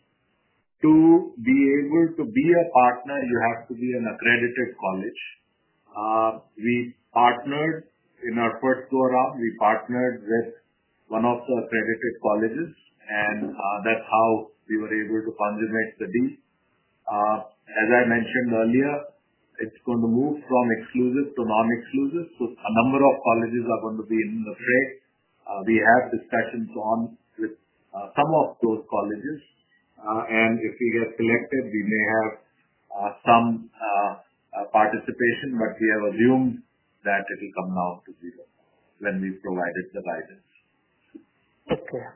To be able to be a partner, you have to be an accredited college. In our first go-around, we partnered with one of the accredited colleges, and that's how we were able to consummate the deal. As I mentioned earlier, it's going to move from exclusive to non-exclusive. A number of colleges are going to be in the fray. We have discussions on with some of those colleges. If we get selected, we may have some participation, but we have assumed that it will come down to zero when we provided the guidance. Okay.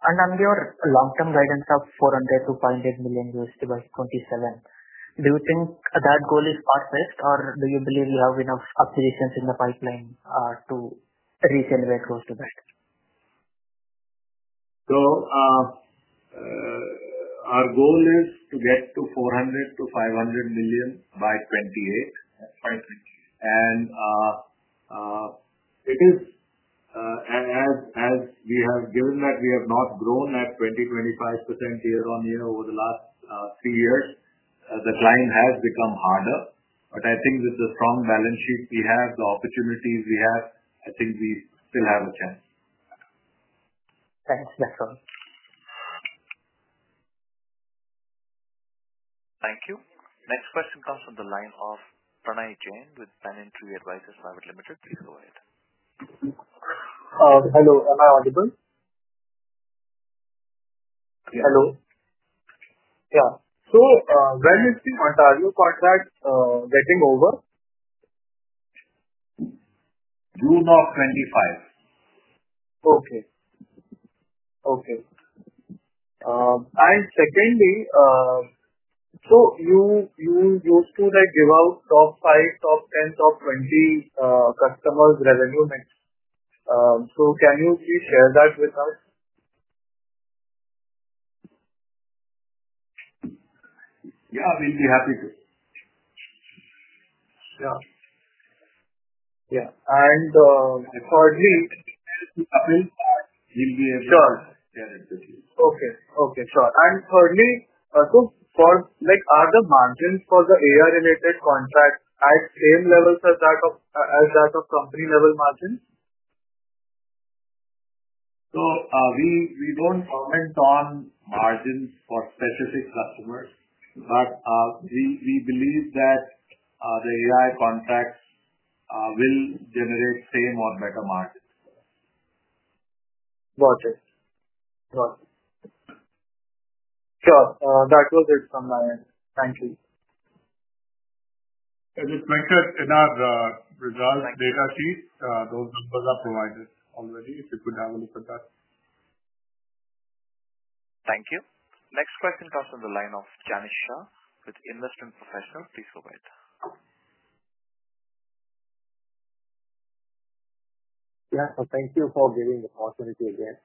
On your long-term guidance of $400 million-$500 million by 2027, do you think that goal is far-fetched, or do you believe we have enough acquisitions in the pipeline to reach anywhere close to that? Our goal is to get to $400 million-$500 million by 2028. It is, as we have given that we have not grown at 20%-25% year on year over the last three years, the climb has become harder. I think with the strong balance sheet we have, the opportunities we have, I think we still have a chance. Thanks. That's all. Thank you. Next question comes from the line of Pranay Jain with Panentry Advisors Private Limited. Please go ahead. Hello. Am I audible? Yes. Hello. Yeah. So when is the Ontario contract getting over? June of 2025. Okay. Okay. And secondly, you used to give out top 5, top 10, top 20 customers' revenue mix. Can you please share that with us? Yeah. We'll be happy to. Yeah. Yeah. Thirdly. I'll be able to. We'll be able to share it with you. Okay. Okay. Sure. And thirdly, so are the margins for the AI-related contract at same levels as that of company-level margins? We don't comment on margins for specific customers, but we believe that the AI contracts will generate same or better margins. Got it. Got it. Sure. That was it from my end. Thank you. As it's mentioned in our results data sheet, those numbers are provided already. If you could have a look at that. Thank you. Next question comes from the line of Janish Shah with Investment Professional. Please go ahead. Yeah. Thank you for giving the opportunity again.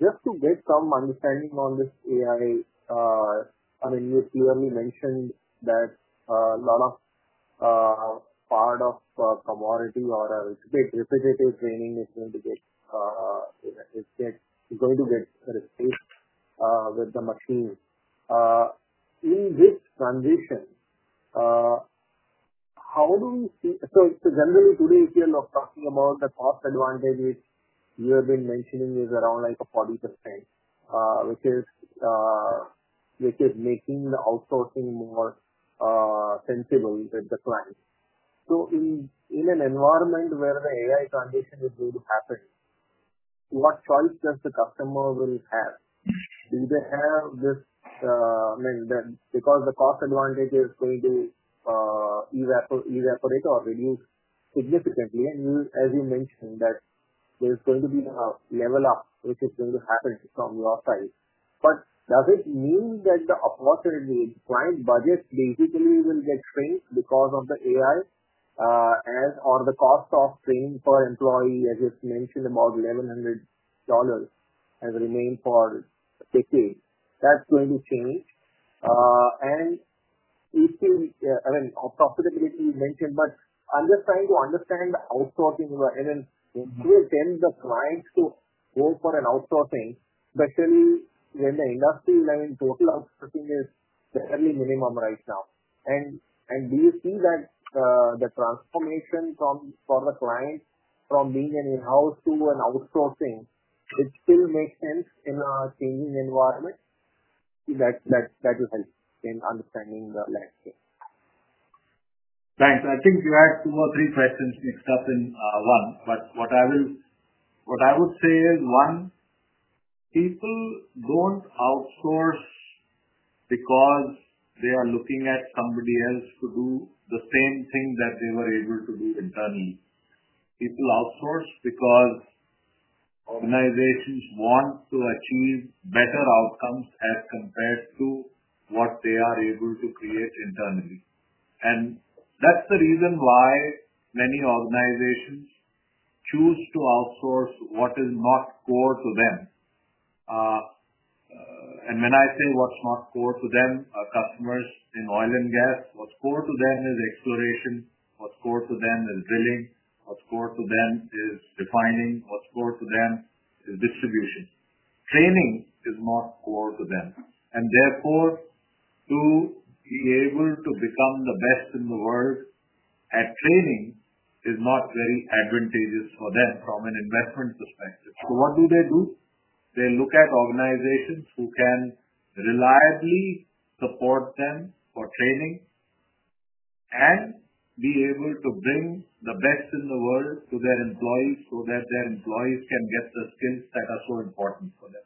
Just to get some understanding on this AI, I mean, you clearly mentioned that a lot of part of commodity or a bit repetitive training is going to get replaced with the machine. In this transition, how do we see, so generally, today, if you're talking about the cost advantage which you have been mentioning is around like 40%, which is making the outsourcing more sensible with the client. In an environment where the AI transition is going to happen, what choice does the customer will have? Do they have this, I mean, because the cost advantage is going to evaporate or reduce significantly, and as you mentioned, there's going to be a level up which is going to happen from your side. Does it mean that the opportunity client budget basically will get shrink because of the AI, or the cost of training per employee, as you mentioned, about $1,100 has remained for decades? That's going to change. I mean, profitability you mentioned, but I'm just trying to understand the outsourcing. I mean, will the clients go for an outsourcing, especially when the industry level total outsourcing is barely minimum right now? Do you see that the transformation for the client from being an in-house to an outsourcing, it still makes sense in a changing environment? That will help in understanding the landscape. Thanks. I think you had two or three questions mixed up in one. What I would say is, one, people do not outsource because they are looking at somebody else to do the same thing that they were able to do internally. People outsource because organizations want to achieve better outcomes as compared to what they are able to create internally. That is the reason why many organizations choose to outsource what is not core to them. When I say what is not core to them, customers in oil and gas, what is core to them is exploration. What is core to them is drilling. What is core to them is refining. What is core to them is distribution. Training is not core to them. Therefore, to be able to become the best in the world at training is not very advantageous for them from an investment perspective. What do they do? They look at organizations who can reliably support them for training and be able to bring the best in the world to their employees so that their employees can get the skills that are so important for them.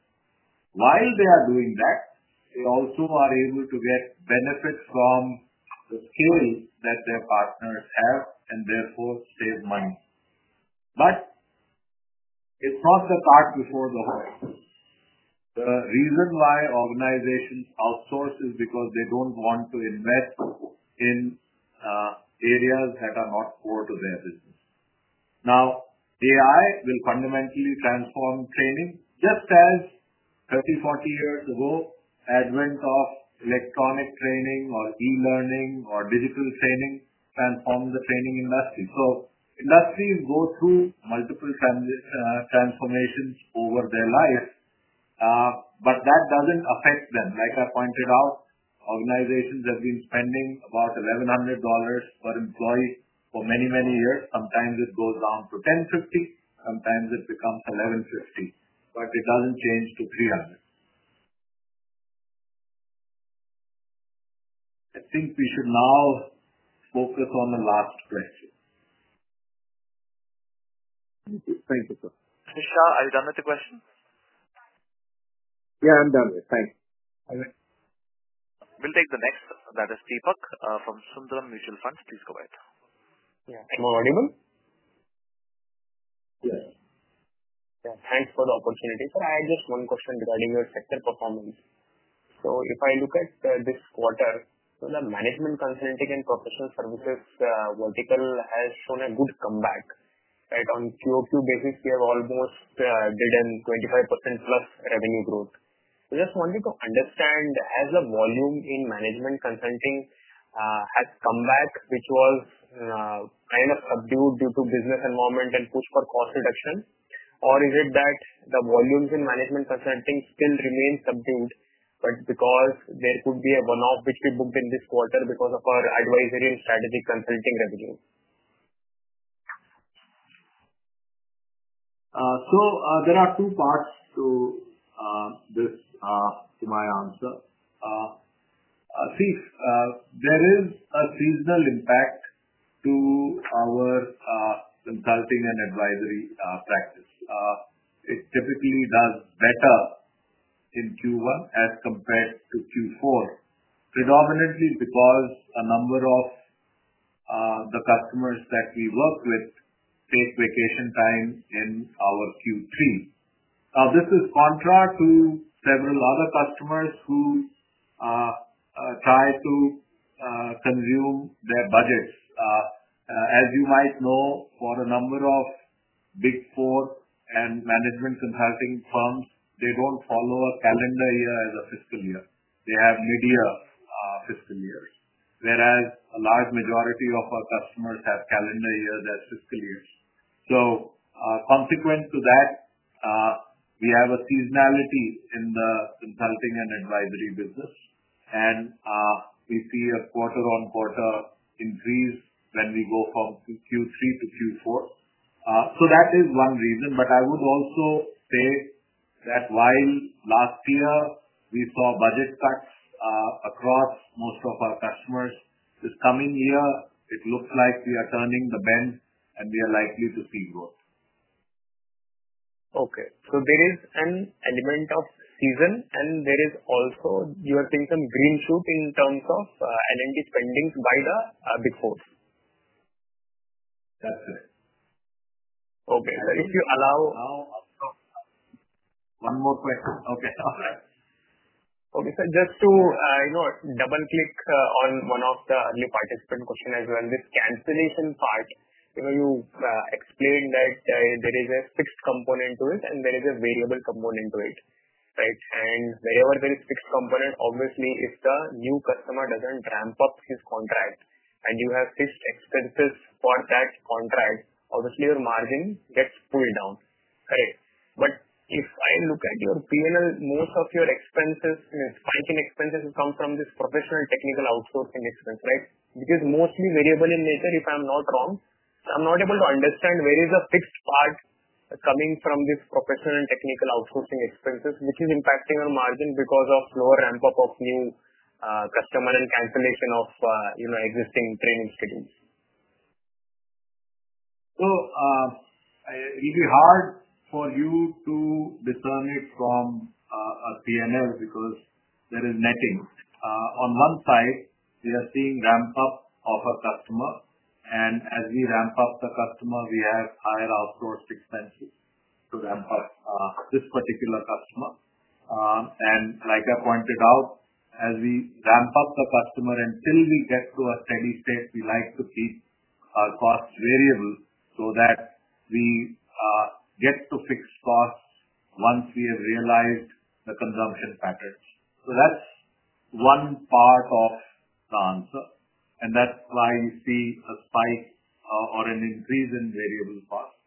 While they are doing that, they also are able to get benefit from the skill that their partners have and therefore save money. It is not the cart before the horse. The reason why organizations outsource is because they do not want to invest in areas that are not core to their business. Now, AI will fundamentally transform training, just as 30-40 years ago, advent of electronic training or e-learning or digital training transformed the training industry. Industries go through multiple transformations over their life, but that does not affect them. Like I pointed out, organizations have been spending about $1,100 per employee for many, many years. Sometimes it goes down to 10, 50. Sometimes it becomes 1,150, but it does not change to 300. I think we should now focus on the last question. Thank you. Thank you, sir. Mr. Shah, are you done with the question? Yeah, I'm done with it. Thanks. We'll take the next. That is Deepak from Sundaram Mutual Funds. Please go ahead. Yeah. Good morning, everyone. Yes. Thanks for the opportunity. Sir, I had just one question regarding your sector performance. If I look at this quarter, the management consulting and professional services vertical has shown a good comeback. On QOQ basis, we have almost 25% plus revenue growth. I just wanted to understand, has the volume in management consulting come back, which was kind of subdued due to business environment and push for cost reduction, or is it that the volumes in management consulting still remain subdued, but because there could be a one-off which we booked in this quarter because of our advisory and strategic consulting revenue? There are two parts to my answer. See, there is a seasonal impact to our consulting and advisory practice. It typically does better in Q1 as compared to Q4, predominantly because a number of the customers that we work with take vacation time in our Q3. Now, this is contra to several other customers who try to consume their budgets. As you might know, for a number of Big Four and management consulting firms, they do not follow a calendar year as a fiscal year. They have mid-year fiscal years, whereas a large majority of our customers have calendar years as fiscal years. Consequent to that, we have a seasonality in the consulting and advisory business, and we see a quarter-on-quarter increase when we go from Q3 to Q4. That is one reason. I would also say that while last year we saw budget cuts across most of our customers, this coming year, it looks like we are turning the bend, and we are likely to see growth. Okay. So there is an element of season, and there is also you are seeing some green shoot in terms of L&D spendings by the Big Four. That's it. Okay. So if you allow. Now, one more question. Okay. All right. Okay, sir. Just to double-click on one of the early participant questions as well, this cancellation part, you explained that there is a fixed component to it, and there is a variable component to it, right? Wherever there is a fixed component, obviously, if the new customer doesn't ramp up his contract and you have fixed expenses for that contract, obviously, your margin gets pulled down, correct? If I look at your P&L, most of your expenses, spiking expenses, come from this professional technical outsourcing expense, right? Which is mostly variable in nature, if I'm not wrong. I'm not able to understand where is the fixed part coming from this professional and technical outsourcing expenses, which is impacting your margin because of slower ramp-up of new customer and cancellation of existing training schedules. It will be hard for you to discern it from a P&L because there is netting. On one side, we are seeing ramp-up of a customer, and as we ramp up the customer, we have higher outsourced expenses to ramp up this particular customer. Like I pointed out, as we ramp up the customer, until we get to a steady state, we like to keep our costs variable so that we get to fixed costs once we have realized the consumption patterns. That is one part of the answer, and that is why you see a spike or an increase in variable costs.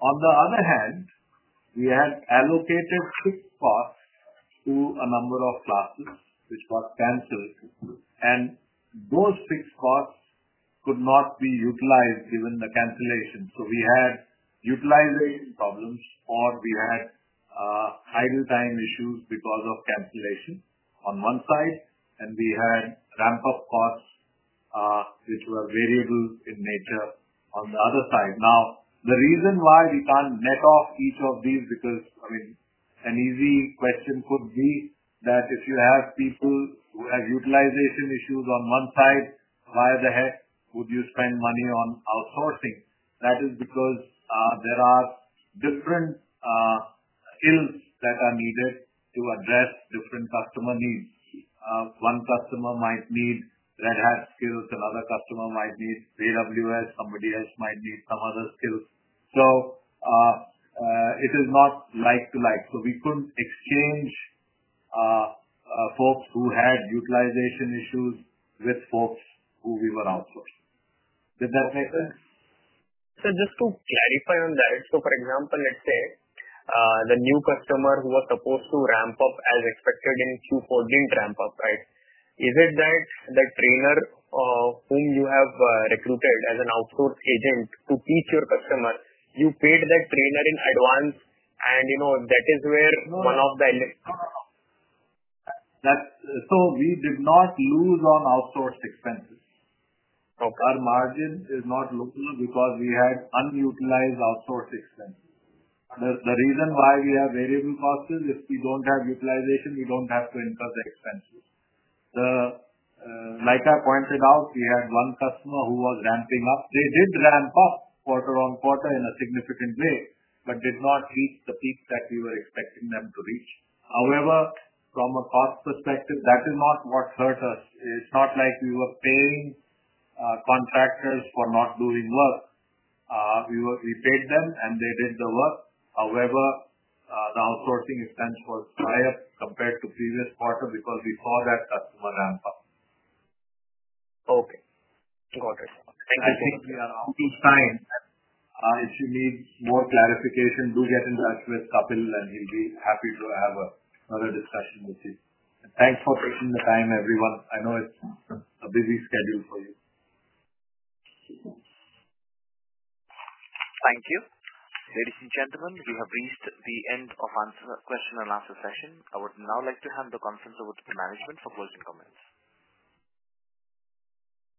On the other hand, we had allocated fixed costs to a number of classes which got canceled, and those fixed costs could not be utilized given the cancellation. We had utilization problems, or we had idle time issues because of cancellation on one side, and we had ramp-up costs which were variable in nature on the other side. Now, the reason why we can't net off each of these is because, I mean, an easy question could be that if you have people who have utilization issues on one side, why the heck would you spend money on outsourcing? That is because there are different skills that are needed to address different customer needs. One customer might need Red Hat skills. Another customer might need AWS. Somebody else might need some other skills. It is not like to like. We couldn't exchange folks who had utilization issues with folks who we were outsourcing. Did that make sense? Just to clarify on that, for example, let's say the new customer who was supposed to ramp up as expected in Q4 didn't ramp up, right? Is it that the trainer whom you have recruited as an outsourced agent to teach your customer, you paid that trainer in advance, and that is where one of the. We did not lose on outsourced expenses. Our margin is not lower because we had unutilized outsourced expenses. The reason why we have variable costs is if we do not have utilization, we do not have to incur the expenses. Like I pointed out, we had one customer who was ramping up. They did ramp up quarter on quarter in a significant way, but did not reach the peak that we were expecting them to reach. However, from a cost perspective, that is not what hurt us. It is not like we were paying contractors for not doing work. We paid them, and they did the work. However, the outsourcing expense was higher compared to previous quarter because we saw that customer ramp up. Okay. Got it. Thank you. I think we are up to time. If you need more clarification, do get in touch with Kapil, and he'll be happy to have another discussion with you. Thanks for taking the time, everyone. I know it's a busy schedule for you. Thank you. Ladies and gentlemen, we have reached the end of the question and answer session. I would now like to hand the conference over to the management for closing comments.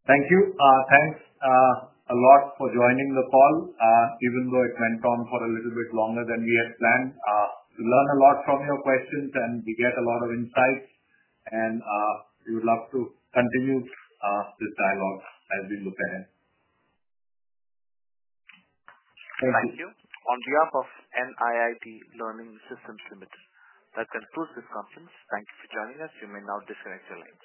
Thank you. Thanks a lot for joining the call, even though it went on for a little bit longer than we had planned. We learned a lot from your questions, and we get a lot of insights, and we would love to continue this dialogue as we look ahead. Thank you. On behalf of NIIT Learning Systems Limited, that concludes this conference. Thank you for joining us. You may now disconnect your lines.